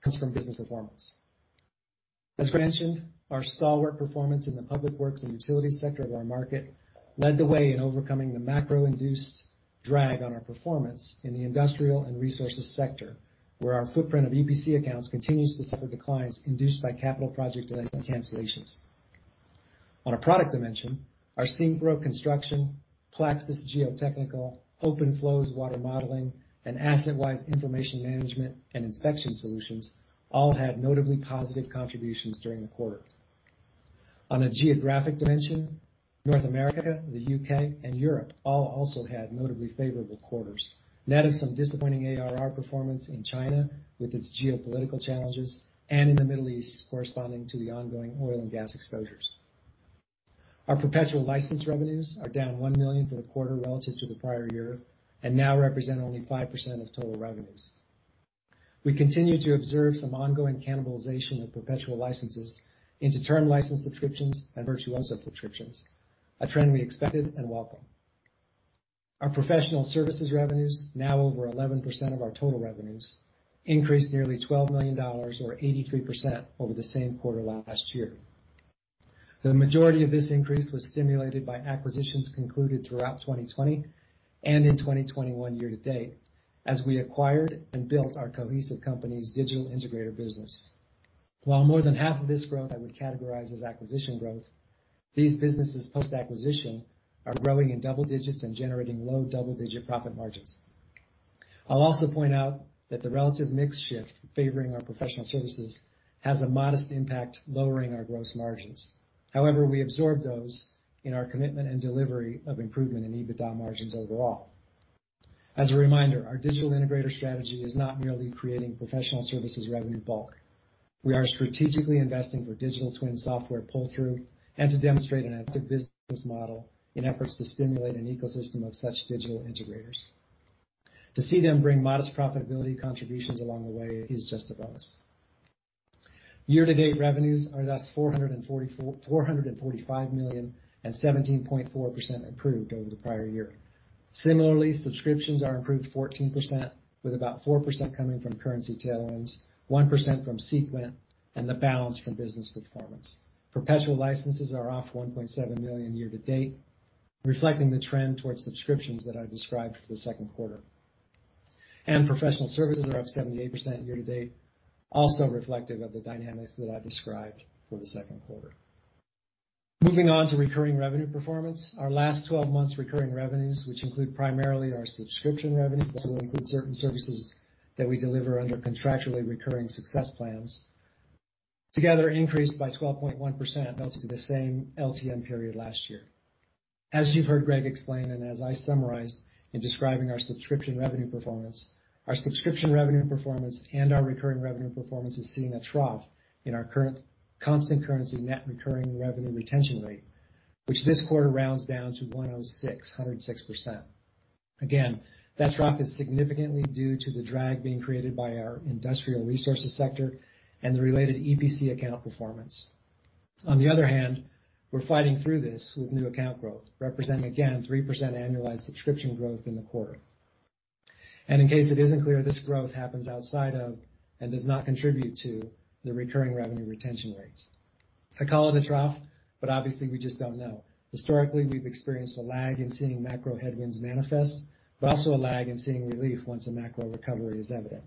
comes from business performance. As Greg mentioned, our stalwart performance in the public works and utilities sector of our market led the way in overcoming the macro-induced drag on our performance in the industrial and resources sector, where our footprint of EPC accounts continues to suffer declines induced by capital project delay and cancellations. On a product dimension, our SYNCHRO construction, PLAXIS geotechnical, OpenFlows water modeling, and AssetWise information management and inspection solutions all had notably positive contributions during the quarter. On a geographic dimension, North America, the U.K., and Europe all also had notably favorable quarters, net of some disappointing ARR performance in China with its geopolitical challenges and in the Middle East corresponding to the ongoing oil and gas exposures. Our perpetual license revenues are down $1 million for the quarter relative to the prior year and now represent only 5% of total revenues. We continue to observe some ongoing cannibalization of perpetual licenses into term license subscriptions and Virtuoso subscriptions, a trend we expected and welcome. Our professional services revenues, now over 11% of our total revenues, increased nearly $12 million, or 83%, over the same quarter last year. The majority of this increase was stimulated by acquisitions concluded throughout 2020 and in 2021 year-to-date, as we acquired and built our Cohesive Companies' digital integrator business. While more than half of this growth I would categorize as acquisition growth, these businesses, post-acquisition, are growing in double digits and generating low-double-digit profit margins. I'll also point out that the relative mix shift favoring our professional services has a modest impact, lowering our gross margins. However, we absorb those in our commitment and delivery of improvement in EBITDA margins overall. As a reminder, our digital integrator strategy is not merely creating professional services revenue in bulk. We are strategically investing for digital twin software pull-through and to demonstrate an active business model in efforts to stimulate an ecosystem of such digital integrators. To see them bring modest profitability contributions along the way is just a bonus. Year-to-date revenues are thus $445 million and 17.4% improved over the prior year. Similarly, subscriptions are improved 14%, with about 4% coming from currency tailwinds, 1% from Seequent, and the balance from business performance. Perpetual licenses are off $1.7 million year-to-date, reflecting the trend towards subscriptions that I described for the second quarter. Professional services are up 78% year-to-date, also reflective of the dynamics that I described for the second quarter. Moving on to recurring revenue performance. Our last 12 months' recurring revenues, which include primarily our subscription revenues but also include certain services that we deliver under contractually recurring success plans, together increased by 12.1% relative to the same LTM period last year. As you've heard Greg explain, and as I summarized in describing our subscription revenue performance, our subscription revenue performance and our recurring revenue performance are seeing a trough in our current constant currency net recurring revenue retention rate, which this quarter rounds down to 106%. Again, that drop is significantly due to the drag being created by our industrial resources sector and the related EPC account performance. On the other hand, we're fighting through this with new account growth, representing again 3% annualized subscription growth in the quarter. In case it isn't clear, this growth happens outside of and does not contribute to the recurring revenue retention rates. I call it a trough, but obviously we just don't know. Historically, we've experienced a lag in seeing macro headwinds manifest but also a lag in seeing relief once a macro recovery is evident.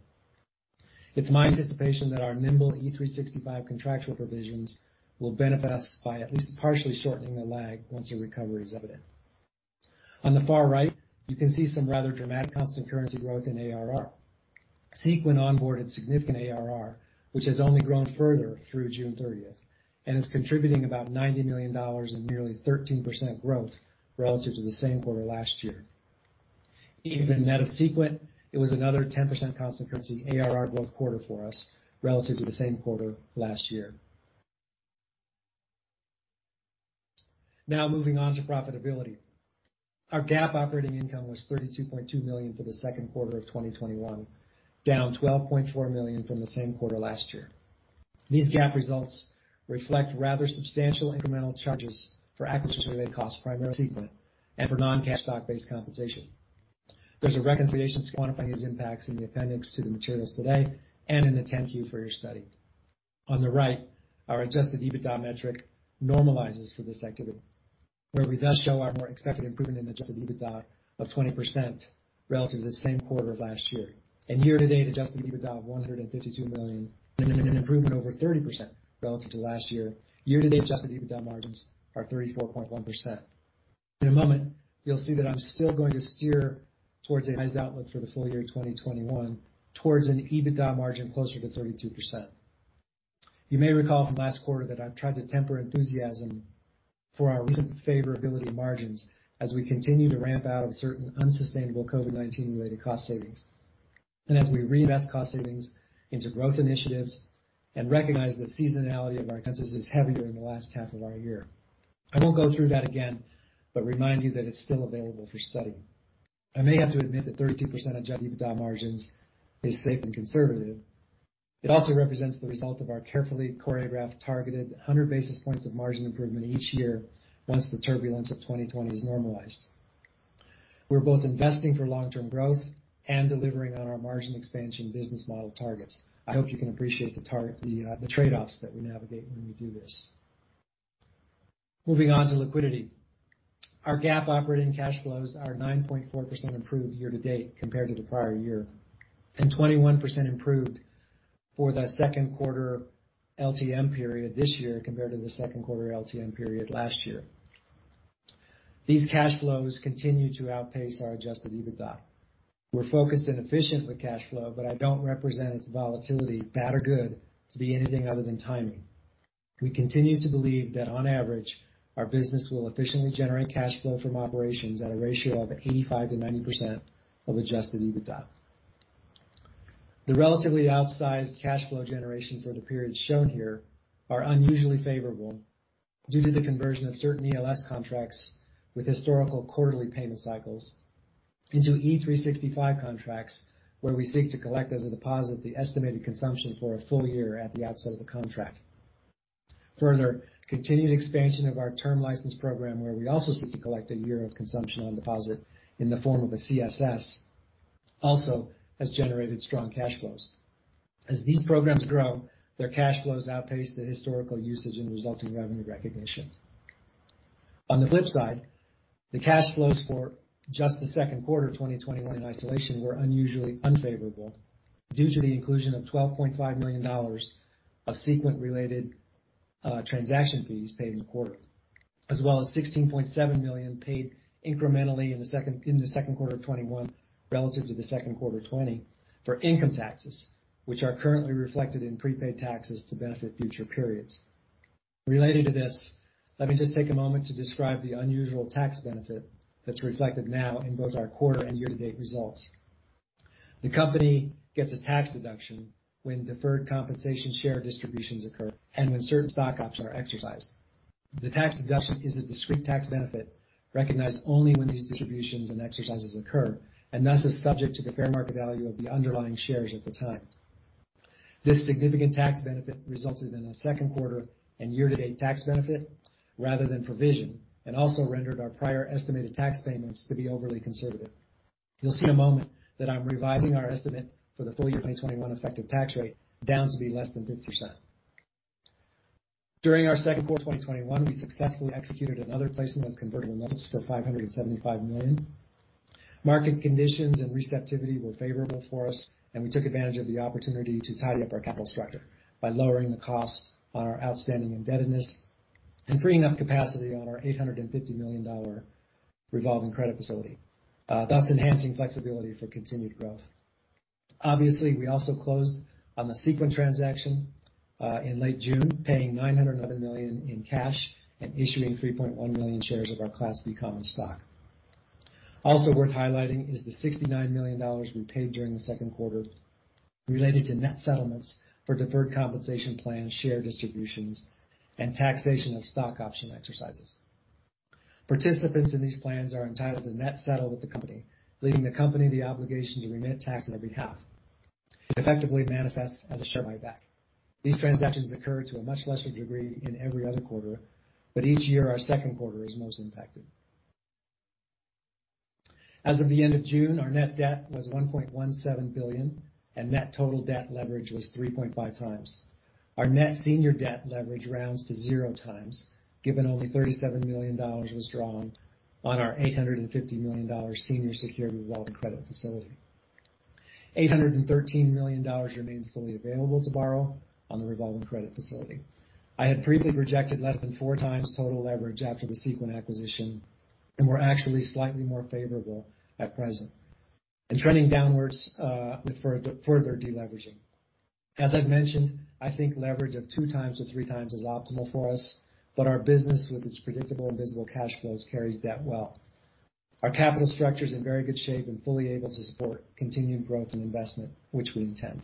It's my anticipation that our nimble E365 contractual provisions will benefit us by at least partially shortening the lag once a recovery is evident. On the far right, you can see some rather dramatic constant currency growth in ARR. Seequent onboarded significant ARR, which has only grown further through June 30th and is contributing about $90 million in nearly 13% growth relative to the same quarter last year. Even net of Seequent, it was another 10% constant-currency ARR growth quarter for us relative to the same quarter last year. Now moving on to profitability. Our GAAP operating income was $32.2 million for the second quarter of 2021, down $12.4 million from the same quarter last year. These GAAP results reflect rather substantial incremental charges for acquisition-related costs, primarily Seequent, and for non-cash stock-based compensation. There's a reconciliation quantifying these impacts in the appendix to the materials today and in the 10-Q for your study. On the right, our adjusted EBITDA metric normalizes for this activity, where we thus show our more accepted improvement in adjusted EBITDA of 20% relative to the same quarter of last year. Year-to-date, adjusted EBITDA of $152 million, an improvement over 30% relative to last year. Year-to-date adjusted EBITDA margins are 34.1%. In a moment, you'll see that I'm still going to steer towards an EBITDA outlook for the full year 2021 towards an EBITDA margin closer to 32%. You may recall from last quarter that I've tried to temper enthusiasm for our recent favorability margins as we continue to ramp out of certain unsustainable COVID-19-related cost savings. As we reinvest cost savings into growth initiatives, we recognize the seasonality of our business is heavier in the last half of our year. I won't go through that again, but I'll remind you that it's still available for study. I may have to admit that 32% adjusted EBITDA margins are safe and conservative. It also represents the result of our carefully choreographed, targeted 100 basis points of margin improvement each year once the turbulence of 2020 is normalized. We're both investing for long-term growth and delivering on our margin expansion business model targets. I hope you can appreciate the trade-offs that we navigate when we do this. Moving on to liquidity. Our GAAP operating cash flows are 9.4% improved year-to-date compared to the prior year, and 21% improved for the second quarter LTM period this year compared to the second quarter LTM period last year. These cash flows continue to outpace our adjusted EBITDA. I don't represent its volatility, bad or good, as anything other than timing. We continue to believe that on average, our business will efficiently generate cash flow from operations at a ratio of 85%-90% of adjusted EBITDA. The relatively outsized cash flow generation for the periods shown here is unusually favorable due to the conversion of certain ELS contracts with historical quarterly payment cycles into E365 contracts, where we seek to collect as a deposit the estimated consumption for a full year at the outset of the contract. Continued expansion of our term license program, where we also seek to collect a year of consumption on deposit in the form of a CSS, also has generated strong cash flows. These programs grow, their cash outpaces the historical usage and resulting revenue recognition. On the flip side, the cash flows for just the second quarter of 2021 in isolation were unusually unfavorable due to the inclusion of $12.5 million of Seequent-related transaction fees paid in the quarter, as well as $16.7 million paid incrementally in the second quarter of 2021 relative to the second quarter of 2020 for income taxes, which are currently reflected in prepaid taxes to benefit future periods. Related to this, let me just take a moment to describe the unusual tax benefit that's reflected now in both our quarter and year-to-date results. The company gets a tax deduction when deferred compensation share distributions occur and when certain stock options are exercised. The tax deduction is a discrete tax benefit recognized only when these distributions and exercises occur and thus is subject to the fair market value of the underlying shares at the time. This significant tax benefit resulted in a second quarter and year-to-date tax benefit rather than a provision and also rendered our prior estimated tax payments to be overly conservative. You'll see in a moment that I'm revising our estimate for the full year 2021 effective tax rate down to be less than 50%. During our second quarter of 2021, we successfully executed another placement of convertible notes for $575 million. Market conditions and receptivity were favorable for us. We took advantage of the opportunity to tidy up our capital structure by lowering the cost on our outstanding indebtedness and freeing up capacity on our $850 million revolving credit facility, thus enhancing flexibility for continued growth. Obviously, we also closed on the Seequent transaction in late June, paying $911 million in cash and issuing 3.1 million shares of our Class B common stock. Also worth highlighting is the $69 million we paid during the second quarter related to net settlements for deferred compensation plan share distributions and taxation of stock option exercises. Participants in these plans are entitled to net settle with the company, leaving the company the obligation to remit taxes on their behalf. It effectively manifests as a share buyback. These transactions occur to a much lesser degree in every other quarter, but each year, our second quarter is most impacted. As of the end of June, our net debt was $1.17 billion, and net total debt leverage was 3.5x. Our net senior debt leverage rounds to 0x, given only $37 million was drawn on our $850 million senior secured revolving credit facility. $813 million remains fully available to borrow on the revolving credit facility. I had previously projected less than 4x total leverage after the Seequent acquisition, and we're actually slightly more favorable at present and trending downwards with further deleveraging. As I've mentioned, I think leverage of 2x-3x is optimal for us, but our business, with its predictable and visible cash flows, carries debt well. Our capital structure's in very good shape and fully able to support continued growth and investment, which we intend.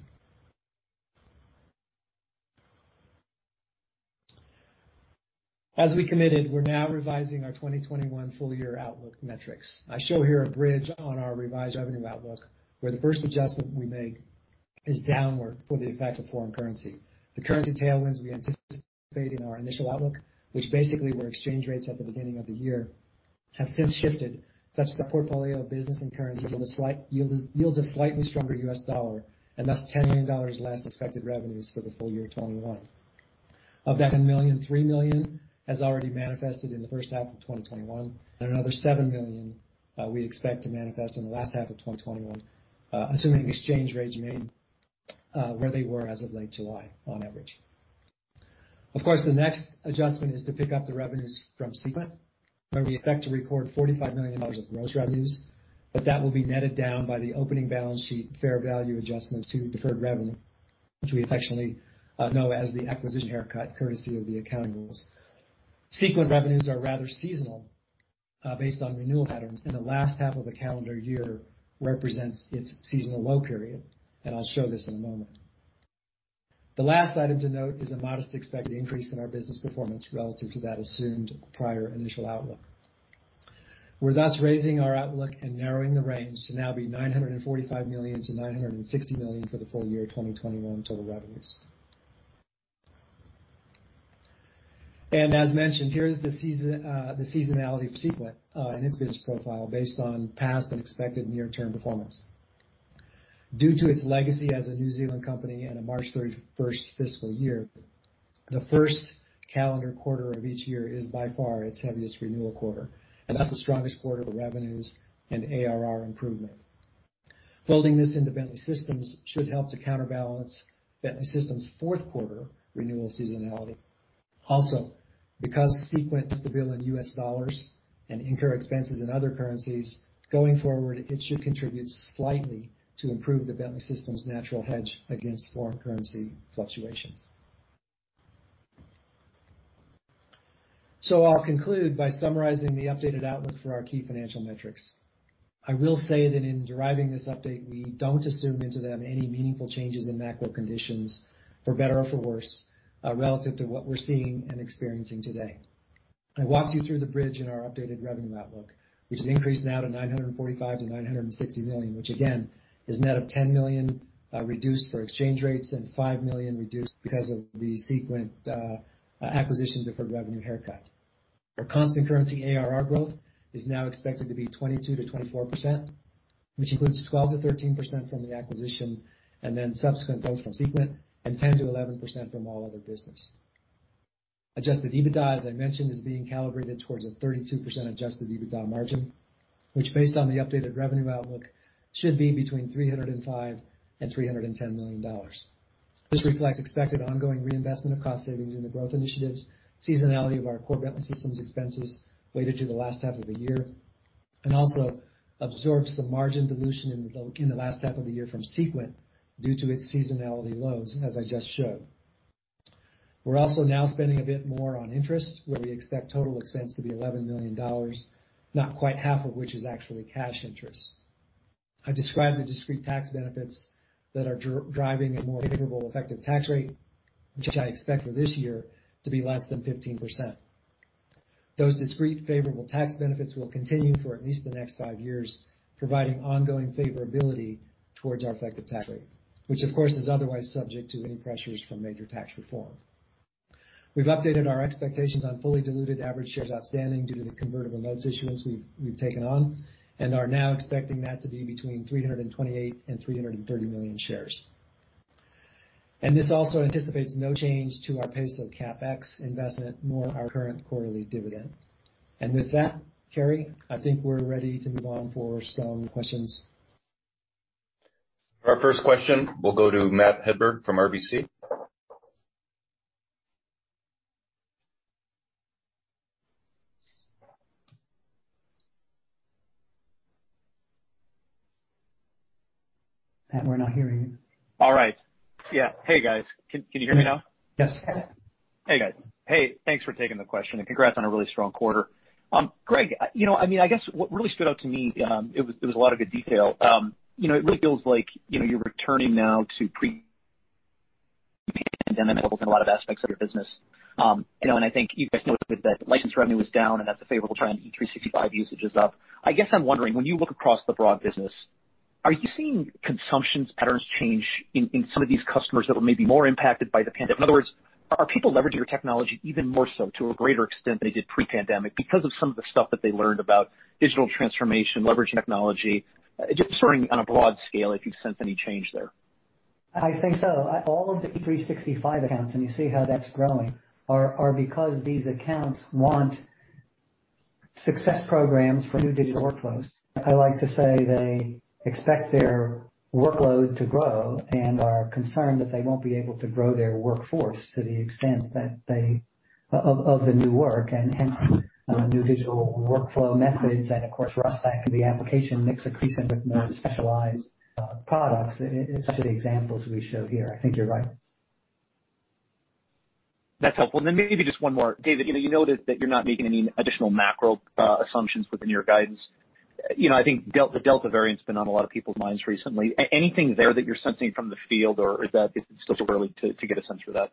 As we committed, we're now revising our 2021 full-year outlook metrics. I show here a bridge to our revised revenue outlook, where the first adjustment we make is downward for the effects of foreign currency. The currency tailwinds we anticipated in our initial outlook, which basically were exchange rates at the beginning of the year, have since shifted such that the portfolio of business and currency yields a slightly stronger U.S. dollar and thus $10 million less expected revenue for the full year 2021. Of that $10 million, $3 million has already manifested in the first half of 2021, and another $7 million we expect to manifest in the last half of 2021, assuming exchange rates remain where they were as of late July on average. Of course, the next adjustment is to pick up the revenues from Seequent, where we expect to record $45 million of gross revenues, but that will be netted down by the opening balance sheet fair value adjustments to deferred revenue, which we affectionately know as the acquisition haircut, courtesy of the accounting rules. Seequent revenues are rather seasonal, based on renewal patterns, and the last half of the calendar year represents its seasonal low period, and I'll show this in a moment. The last item to note is a modest expected increase in our business performance relative to that assumed prior initial outlook. We're thus raising our outlook and narrowing the range to now be $945 million-$960 million for the full year 2021 total revenues. As mentioned, here is the seasonality for Seequent and its business profile based on past and expected near-term performance. Due to its legacy as a New Zealand company and a March 31st fiscal year, the first calendar quarter of each year is by far its heaviest renewal quarter, and thus the strongest quarter of revenues and ARR improvement. Folding this into Bentley Systems should help to counterbalance Bentley Systems' fourth quarter renewal seasonality. Because Seequent is to bill in U.S. dollars and incur expenses in other currencies, going forward, it should contribute slightly to improving Bentley Systems' natural hedge against foreign currency fluctuations. I'll conclude by summarizing the updated outlook for our key financial metrics. I will say that in deriving this update, we don't assume any meaningful changes in macro conditions, for better or for worse, relative to what we're seeing and experiencing today. I walked you through the bridge in our updated revenue outlook, which has increased now to $945 million-$960 million, which, again, is net of $10 million reduced for exchange rates and $5 million reduced because of the Seequent acquisition's deferred revenue haircut. Our constant currency ARR growth is now expected to be 22%-24%, which includes 12%-13% from the acquisition and then subsequent growth from Seequent and 10%-11% from all other business. Adjusted EBITDA, as I mentioned, is being calibrated towards a 32% adjusted EBITDA margin, which, based on the updated revenue outlook, should be between $305 million and $310 million. This reflects the expected ongoing reinvestment of cost savings in the growth initiatives, seasonality of our core Bentley Systems expenses weighted to the last half of the year, and also absorbs some margin dilution in the last half of the year from Seequent due to its seasonality lows, as I just showed. We're also now spending a bit more on interest, where we expect total expense to be $11 million, not quite half of which is actually cash interest. I described the discrete tax benefits that are driving a more favorable effective tax rate, which I expect for this year to be less than 15%. Those discrete favorable tax benefits will continue for at least the next five years, providing ongoing favorability towards our effective tax rate, which, of course, is otherwise subject to any pressures from major tax reform. We've updated our expectations on fully diluted average shares outstanding due to the convertible notes issuance we've taken on and are now expecting that to be between 328 and 330 million shares. This also anticipates no change to our pace of CapEx investment nor our current quarterly dividend. With that, Carey, I think we're ready to move on for some questions. Our first question will go to Matt Hedberg from RBC. Matt, we're not hearing you. All right. Yeah. Hey, guys. Can you hear me now? Yes. Hey, guys. Hey, thanks for taking the question, and congrats on a really strong quarter. Greg, I guess what really stood out to me was that it was a lot of good detail. It really feels like you're returning now to pre-pandemic levels in a lot of aspects of your business. I know, and I think you guys noted that license revenue was down, and that's a favorable trend. E365 usage is up. I guess I'm wondering, when you look across the broad business, are you seeing consumption patterns change in some of these customers that were maybe more impacted by the pandemic? In other words, are people leveraging your technology even more so, to a greater extent than they did pre-pandemic, because of some of the stuff that they learned about digital transformation and leveraging technology? Just sort of on a broad scale, if you've sensed any change there. I think so. All of the E365 accounts, and you see how that's growing, are because these accounts want success programs for new digital workflows. I like to say they expect their workload to grow and are concerned that they won't be able to grow their workforce to the extent of the new work, and hence, new digital workflow methods and, of course, Russack and the application mix increasing with more specialized products are two of the examples we show here. I think you're right. That's helpful. Maybe just one more. David, you noted that you're not making any additional macro assumptions within your guidance. I think the Delta variant's been on a lot of people's minds recently. Anything there that you're sensing from the field, or is that still too early to get a sense for that?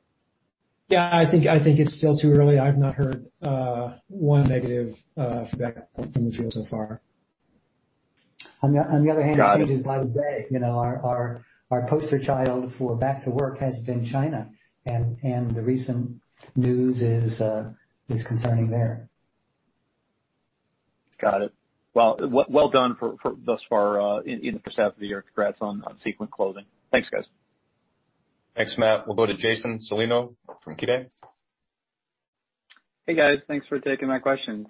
Yeah, I think it's still too early. I've not heard any negative feedback from the field so far. On the other hand— Got it. ...it changes by the day. Our poster child for back to work has been China, and the recent news is concerning there. Got it. Well done thus far in the first half of the year. Congrats on Seequent closing. Thanks, guys. Thanks, Matt. We'll go to Jason Celino from KeyBanc. Hey, guys. Thanks for taking my questions.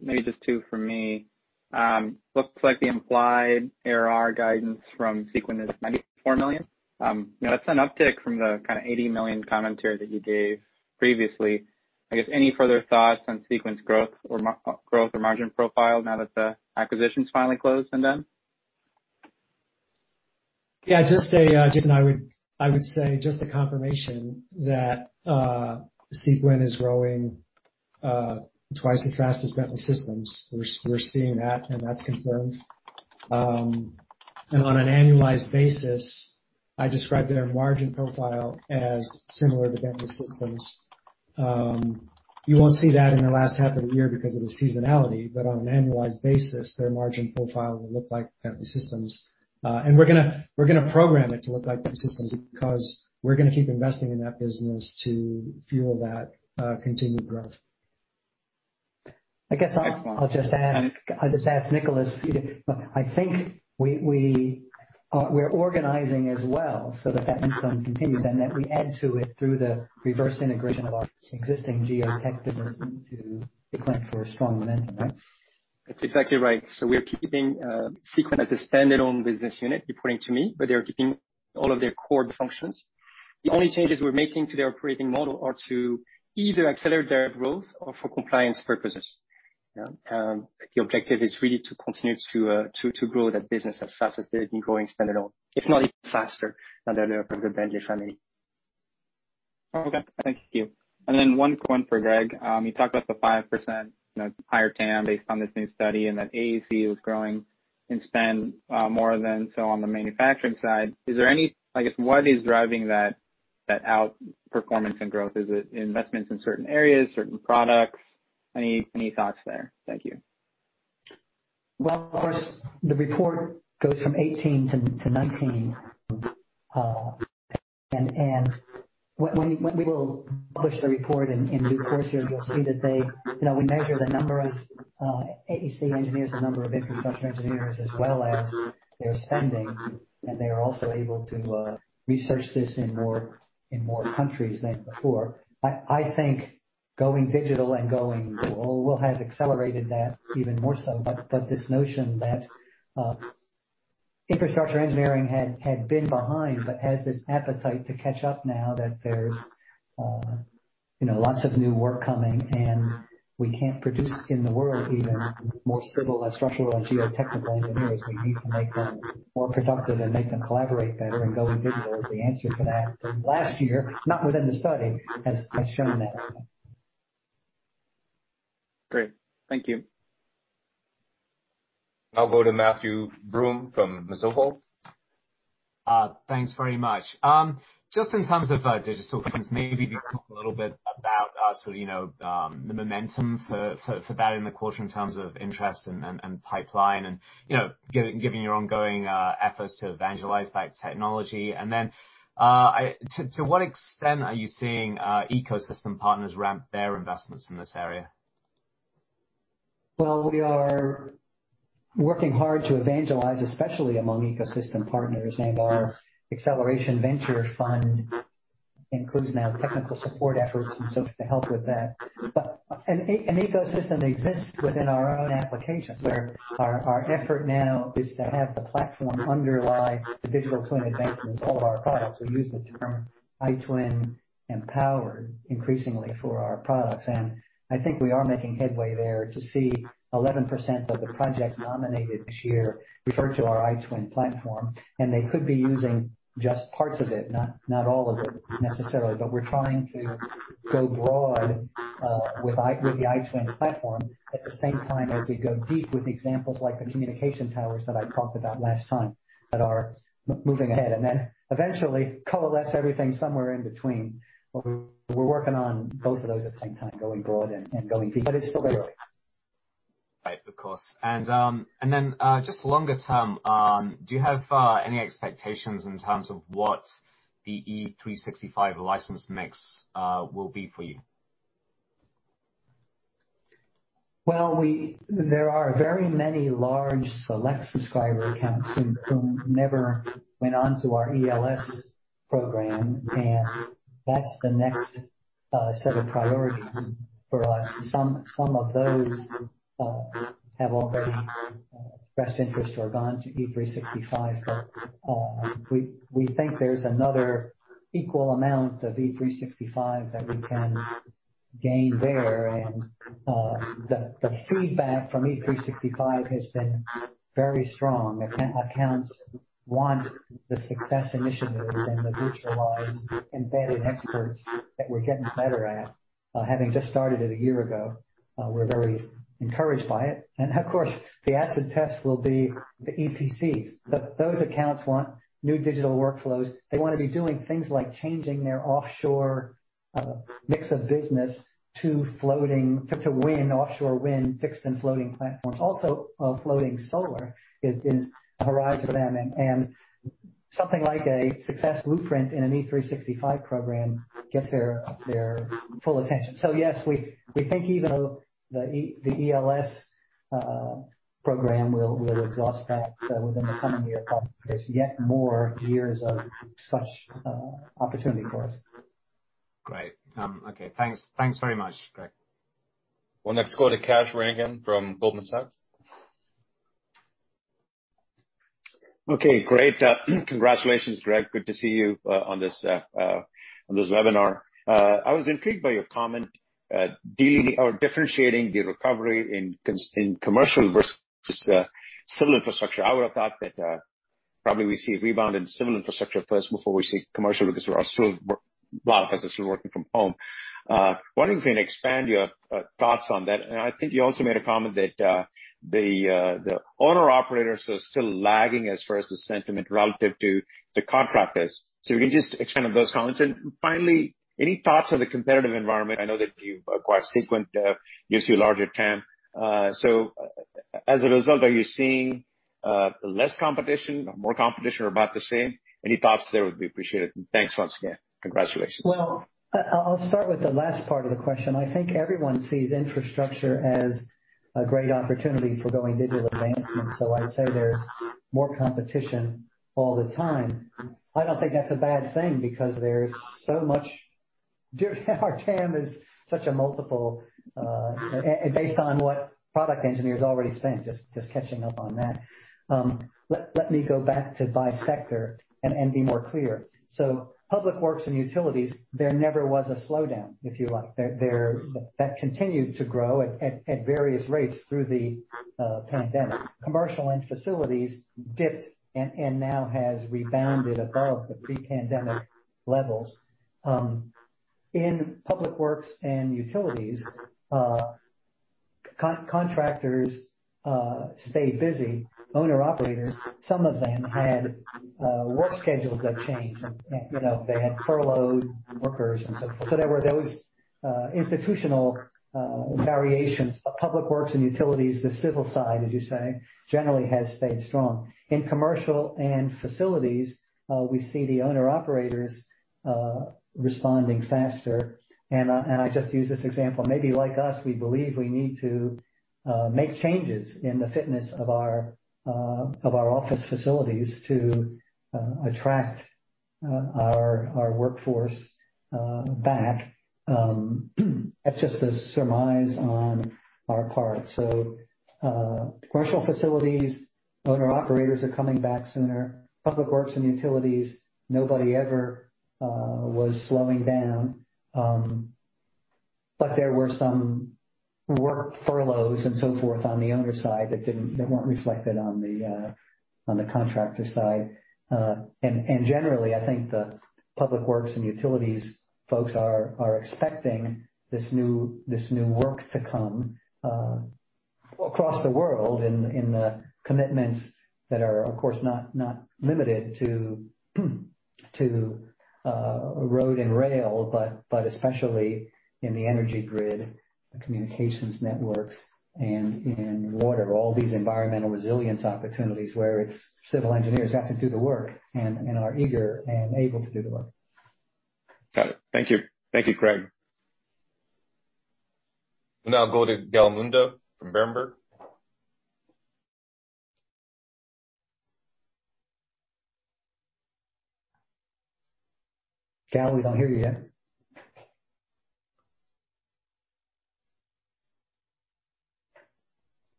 Maybe just two from me. Looks like the implied ARR guidance from Seequent is $94 million. That's an uptick from the kind of $80 million commentary that you gave previously. I guess any further thoughts on Seequent's growth or margin profile now that the acquisition's finally closed and done? Yeah, Jason, I would say just a confirmation that Seequent is growing twice as fast as Bentley Systems. We're seeing that, and that's confirmed. On an annualized basis, I describe their margin profile as similar to Bentley Systems. You won't see that in the last half of the year because of the seasonality, but on an annualized basis, their margin profile will look like Bentley Systems. We're going to program it to look like Bentley Systems because we're going to keep investing in that business to fuel that continued growth. I guess I'll just ask Nicholas. I think we're organizing as well so that that income continues and that we add to it through the reverse integration of our existing geo-tech business into Seequent for strong momentum, right? That's exactly right. We're keeping Seequent as a stand-alone business unit reporting to me, where they're keeping all of their core functions. The only changes we're making to their operating model are to either accelerate their growth or for compliance purposes. The objective is really to continue to grow that business as fast as they've been growing stand-alone, if not even faster now that they're a part of the Bentley family. Okay, thank you. Then one point for Greg. You talked about the 5% higher TAM based on this new study, and AEC is growing in spend more than that on the manufacturing side. I guess, what is driving that outperformance and growth? Is it investments in certain areas, certain products? Any thoughts there? Thank you. Well, of course, the report goes from 2018-2019. We will publish the report in due course here, and you'll see that we measure the number of AEC engineers and the number of infrastructure engineers, as well as their spending, and they are also able to research this in more countries than before. I think going digital will have accelerated that even more so. This notion that infrastructure engineering had been behind but has this appetite to catch up now that there's lots of new work coming, and we can't produce in the world even more civil, structural, and geotechnical engineers. We need to make them more productive and make them collaborate better, going digital is the answer to that. Last year, not within the study, has shown that. Great. Thank you. I'll go to Matthew Broome from Mizuho. Thanks very much. Just in terms of digital twins, maybe just talk a little bit about the momentum for that in the quarter in terms of interest and pipeline and giving your ongoing efforts to evangelize that technology. To what extent are you seeing ecosystem partners ramp their investments in this area? We are working hard to evangelize, especially among ecosystem partners, and our acceleration venture fund includes now technical support efforts and such to help with that. An ecosystem exists within our own applications where our effort now is to have the platform underlie the digital twin advancements. All of our products. We use the term iTwin empowered increasingly for our products, and I think we are making headway there to see 11% of the projects nominated this year refer to our iTwin platform, and they could be using just parts of it, not all of it necessarily. We're trying to go broad with the iTwin platform at the same time as we go deep with examples like the communication towers that I talked about last time that are moving ahead. Eventually, coalesce everything somewhere in between. We're working on both of those at the same time, going broad and going deep, but it's still early. Of course. Then just longer term, do you have any expectations in terms of what the E365 license mix will be for you? Well, there are very many large select subscriber accounts who never went on to our ELS program, and that's the next set of priorities for us. Some of those have already expressed interest or gone to E365, but we think there's another equal amount of E365 that we can gain there. The feedback from E365 has been very strong. Accounts want the success initiatives and the virtual embedded experts that we're getting better at, having just started it a year ago. We're very encouraged by it. Of course, the acid test will be the EPCs. Those accounts want new digital workflows. They want to be doing things like changing their offshore mix of business to offshore wind fixed and floating platforms. Also, floating solar is a horizon for them. Something like a success blueprint in an E365 program gets their full attention. Yes, we think even though the ELS program will exhaust that within the coming year, there are yet more years of such opportunity for us. Great. Okay. Thanks very much, Greg. We'll next go to Kash Rangan from Goldman Sachs. Okay, great. Congratulations, Greg. Good to see you on this webinar. I was intrigued by your comment, differentiating the recovery in commercial versus civil infrastructure. I would've thought that probably we would see a rebound in civil infrastructure first before we saw commercial, because a lot of us are still working from home. Wondering if you can expand your thoughts on that. I think you also made a comment that the owner-operators are still lagging as far as the sentiment relative to the contractors. If you can just expand on those comments. Finally, any thoughts on the competitive environment? I know that you acquired Seequent, which gives you a larger TAM. As a result, are you seeing less competition or more competition or about the same? Any thoughts there would be appreciated, and thanks once again. Congratulations. Well, I'll start with the last part of the question. I think everyone sees infrastructure as a great opportunity for digital advancement. I'd say there's more competition all the time. I don't think that's a bad thing because our TAM is such a multiple based on what product engineers already spent, just catching up on that. Let me go back to my sector and be more clear. Public works and utilities: there never was a slowdown, if you like. That continued to grow at various rates through the pandemic. Commercial and facilities dipped and now have rebounded above the pre-pandemic levels. In public works and utilities, contractors stayed busy. Owner-operators, some of them had work schedules that changed, and they had furloughed workers, and so forth. There were those institutional variations. Public works and utilities, the civil side, as you say, generally have stayed strong. In commercial and facilities, we see the owner-operators responding faster. I just use this example, maybe like us, we believe we need to make changes in the fitness of our office facilities to attract our workforce back. That's just a surmise on our part. Commercial facilities and owner-operators are coming back sooner. Public works and utilities: nobody was ever slowing down. There were some work furloughs and so forth on the owner side that weren't reflected on the contractor side. Generally, I think the public works and utilities folks are expecting this new work to come across the world in the commitments that are, of course, not limited to road and rail but especially in the energy grid, communications networks, and water. All these environmental resilience opportunities are where civil engineers have to do the work and are eager and able to do the work. Got it. Thank you. Thank you, Greg. We'll now go to Gal Munda from Berenberg. Gal, we don't hear you yet.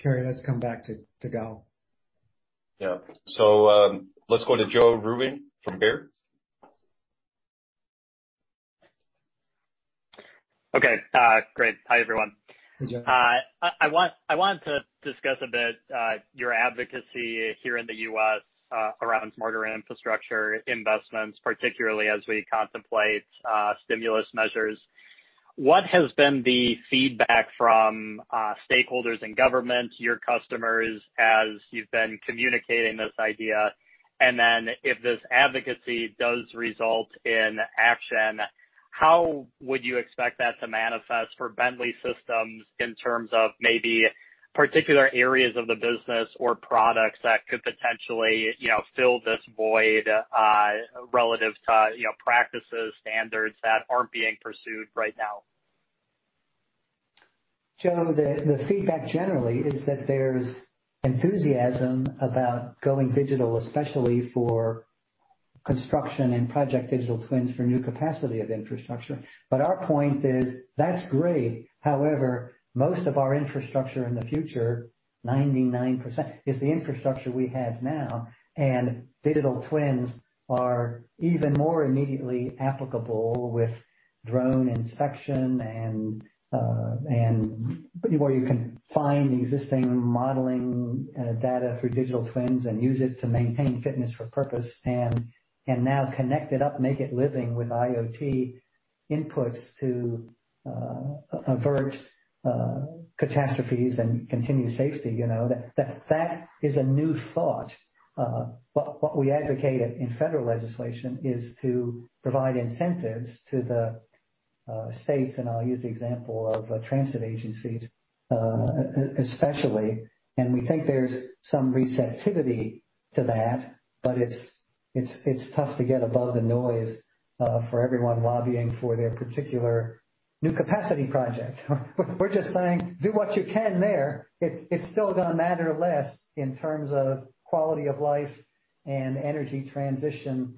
Carey, let's come back to Gal. Yeah. let's go to Joe Vruwink from Baird. Okay, great. Hi, everyone. Hi, Joe. I wanted to discuss a bit your advocacy here in the U.S. around smarter infrastructure investments, particularly as we contemplate stimulus measures. What has been the feedback from stakeholders and government, your customers, as you've been communicating this idea? If this advocacy does result in action, how would you expect that to manifest for Bentley Systems in terms of maybe particular areas of the business or products that could potentially fill this void relative to practices and standards that aren't being pursued right now? Joe, the feedback generally is that there's enthusiasm about going digital, especially for construction and project digital twins for new capacity of infrastructure. Our point is, that's great. However, most of our infrastructure in the future, 99%, is the infrastructure we have now. Digital twins are even more immediately applicable with drone inspection, and pretty well you can find existing modeling data through digital twins and use it to maintain fitness for purpose, and now connect it up and make it living with IoT inputs to avert catastrophes and continue safety. That is a new thought. What we advocate in federal legislation is to provide incentives to the states, and I'll use the example of transit agencies, especially. We think there's some receptivity to that, but it's tough to get above the noise for everyone lobbying for their particular new capacity project. We're just saying, do what you can there. It's still going to matter less in terms of quality of life and energy transition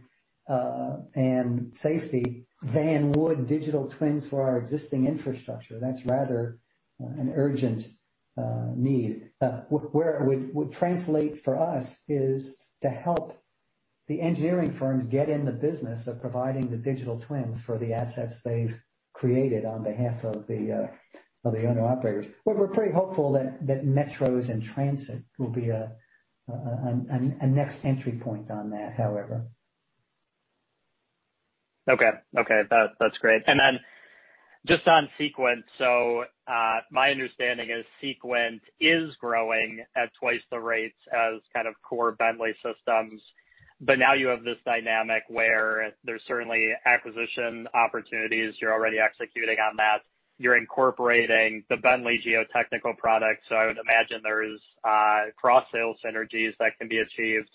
and safety than would digital twins for our existing infrastructure. That's rather an urgent need. Where it would translate for us is to help the engineering firms get in the business of providing the digital twins for the assets they've created on behalf of the owner operators. We're pretty hopeful that metros and transit will be the next entry point on that, however. Okay. That's great. Just on Seequent, my understanding is Seequent is growing at twice the rate as core Bentley Systems. Now you have this dynamic where there are certainly acquisition opportunities. You're already executing on that. You're incorporating the Bentley geotechnical product. I would imagine there are cross-sale synergies that can be achieved.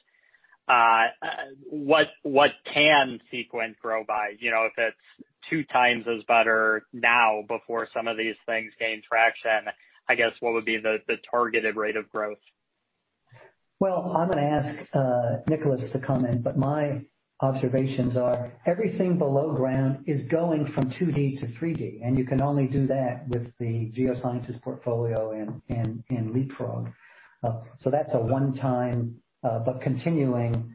What can Seequent grow by? If it's two times better now before some of these things gain traction, I guess what would be the targeted rate of growth? I'm going to ask Nicholas to comment, but my observations are everything below ground is going from 2D to 3D, and you can only do that with the geosciences portfolio and Leapfrog. That's a one-time thing, but continuing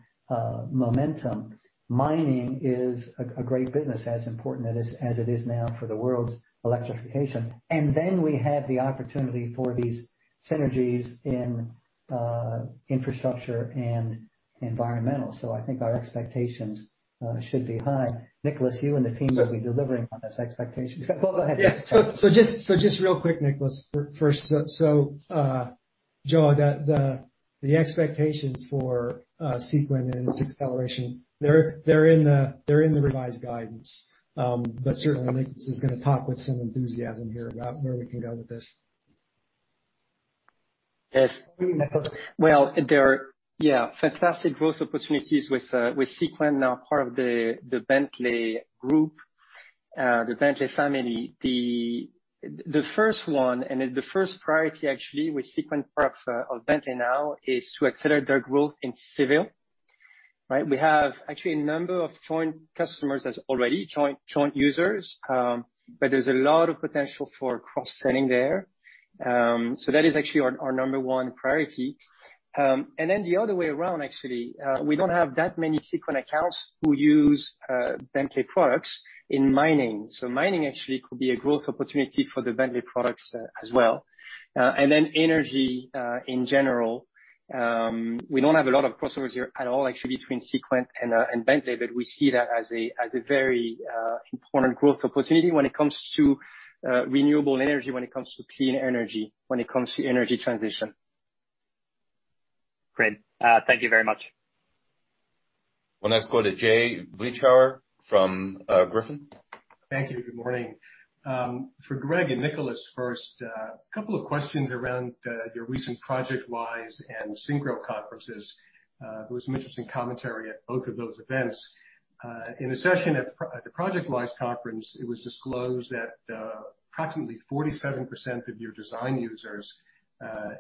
momentum. Mining is a great business, as important as it is now for the world's electrification. Then we have the opportunity for these synergies in infrastructure and environment. I think our expectations should be high. Nicholas, you and the team will be delivering on those expectations. Go ahead. Just real quick, Nicholas. Joe, the expectations for Seequent and its acceleration are in the revised guidance. Certainly, Nicholas is going to talk with some enthusiasm here about where we can go with this. Yes. Nicholas. There are fantastic growth opportunities with Seequent now part of the Bentley Group, the Bentley family. The first one, and the first priority actually with Seequent, part of Bentley now, is to accelerate their growth in civil. We have actually a number of joint customers as already joint users. There's a lot of potential for cross-selling there. That is actually our number one priority. The other way around, actually, we don't have that many Seequent accounts who use Bentley products in mining. Mining actually could be a growth opportunity for the Bentley products as well. Energy, in general. We don't have a lot of crossovers here at all, actually, between Seequent and Bentley, but we see that as a very important growth opportunity when it comes to renewable energy, when it comes to clean energy, when it comes to energy transition. Great. Thank you very much. We'll next go to Jay Vleeschhouwer from Griffin. Thank you. Good morning. For Greg and Nicholas first, a couple of questions around your recent ProjectWise and SYNCHRO conferences. There was some interesting commentary at both of those events. In a session at the ProjectWise conference, it was disclosed that approximately 47% of your design users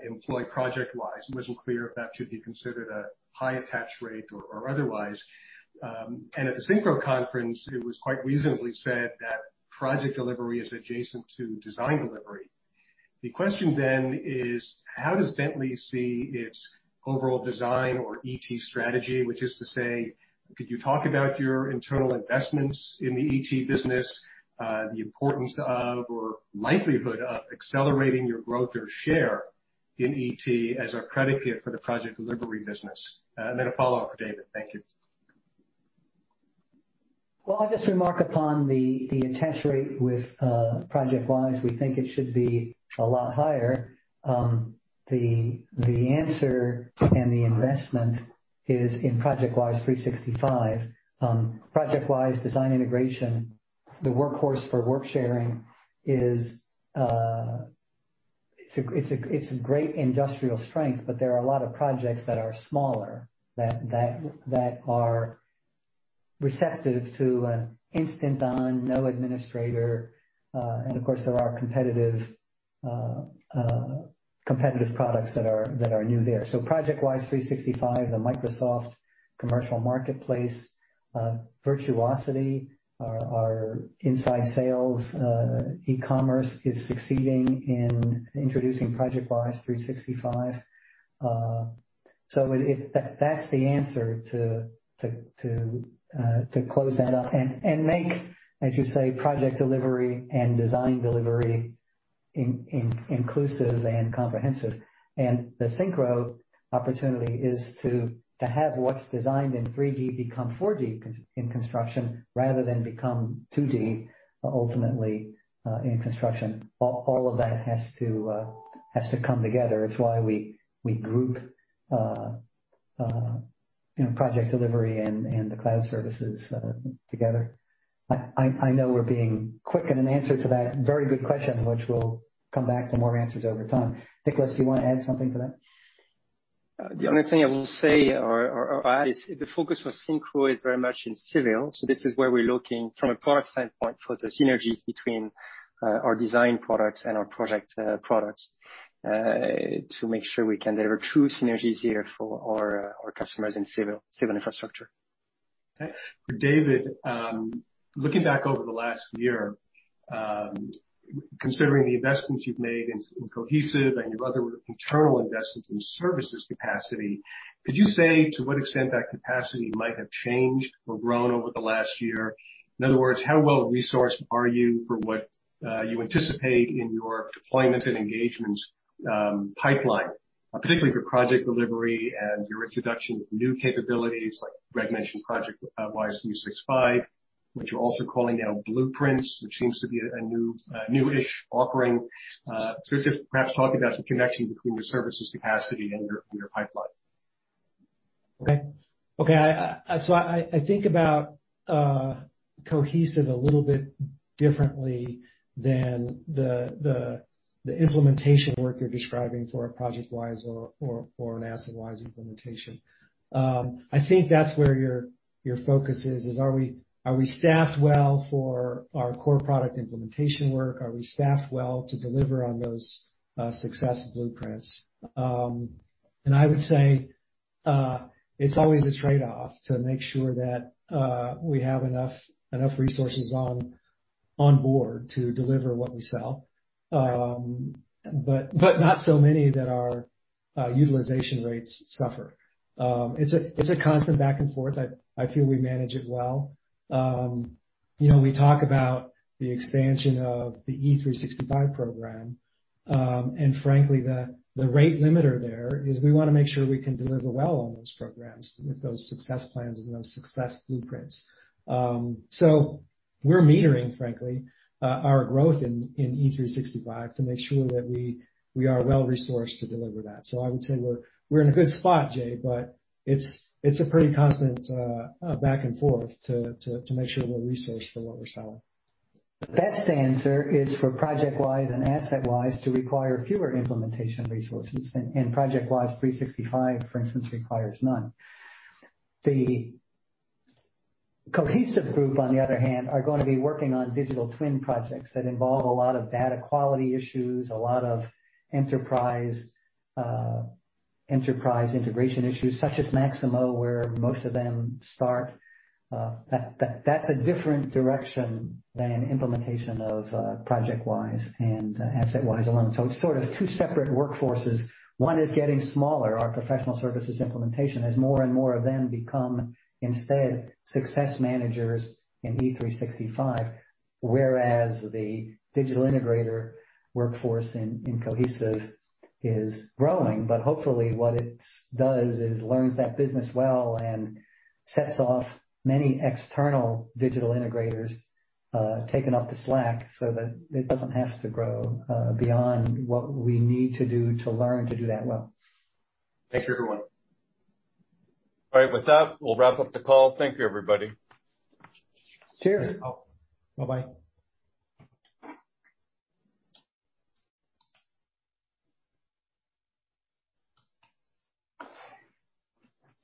employ ProjectWise. It wasn't clear if that should be considered a high attach rate or otherwise. At the SYNCHRO conference, it was quite reasonably said that project delivery is adjacent to design delivery. The question is how does Bentley see its overall design or ET strategy? Which is to say, could you talk about your internal investments in the ET business, the importance of or likelihood of accelerating your growth or share in ET as a predicate for the project delivery business? A follow-up for David. Thank you. Well, I'll just remark upon the attach rate with ProjectWise. We think it should be a lot higher. The answer and the investment are in ProjectWise 365. ProjectWise design integration, the workhorse for work sharing, is a great industrial strength, but there are a lot of projects that are smaller that are receptive to an instant-on, no administrator. Of course, there are competitive products that are new there. ProjectWise 365, the Microsoft commercial marketplace. Virtuosity, our inside sales e-commerce, is succeeding in introducing ProjectWise 365. That's the answer to close that up and make, as you say, project delivery and design delivery inclusive and comprehensive. The SYNCHRO opportunity is to have what's designed in 3D become 4D in construction rather than become 2D, ultimately, in construction. All of that has to come together. It's why we group project delivery and the cloud services together. I know we're being quick in an answer to that very good question, and we'll come back to more answers over time. Nicholas, do you want to add something to that? The only thing I will say or add is the focus for SYNCHRO is very much on civil. This is where we're looking from a product standpoint for the synergies between our design products and our project products to make sure we can deliver true synergies here for our customers in civil infrastructure. Okay. For David, looking back over the last year, considering the investments you've made in Cohesive and your other internal investments in services capacity, could you say to what extent that capacity might have changed or grown over the last year? In other words, how well-resourced are you for what you anticipate in your deployment and engagement pipeline, particularly for project delivery and your introduction of new capabilities, like Greg mentioned, ProjectWise 365, which you're also calling now Blueprints, which seems to be a newish offering? So just perhaps talk about the connection between your services' capacity and your pipeline. Okay. I think about Cohesive a little bit differently than the implementation work you're describing for a ProjectWise or an AssetWise implementation. I think that's where your focus is, are we staffed well for our core product implementation work? Are we staffed well to deliver on those success blueprints? I would say it's always a trade-off to make sure that we have enough resources on board to deliver what we sell, but not so many that our utilization rates suffer. It's a constant back and forth. I feel we manage it well. We talk about the expansion of the E365 program. Frankly, the rate limiter there is we want to make sure we can deliver well on those programs with those success plans and those success blueprints. We're metering, frankly, our growth in E365 to make sure that we are well-resourced to deliver that. I would say we're in a good spot, Jay, but it's a pretty constant back and forth to make sure we're resourced for what we're selling. The best answer is for ProjectWise and AssetWise to require fewer implementation resources. ProjectWise 365, for instance, requires none. The Cohesive Companies, on the other hand, are going to be working on digital twin projects that involve a lot of data quality issues and a lot of enterprise integration issues, such as Maximo, where most of them start. That's a different direction than implementation of ProjectWise and AssetWise alone. It's sort of two separate workforces. One is getting smaller, our professional services implementation, as more and more of them become, instead, success managers in E365. Whereas the digital integrator workforce in Cohesive is growing. Hopefully, what it does is learn that business well and set off many external digital integrators taking up the slack so that it doesn't have to grow beyond what we need to do to learn to do that well. Thank you, everyone. All right. With that, we'll wrap up the call. Thank you, everybody. Cheers. Oh, bye-bye.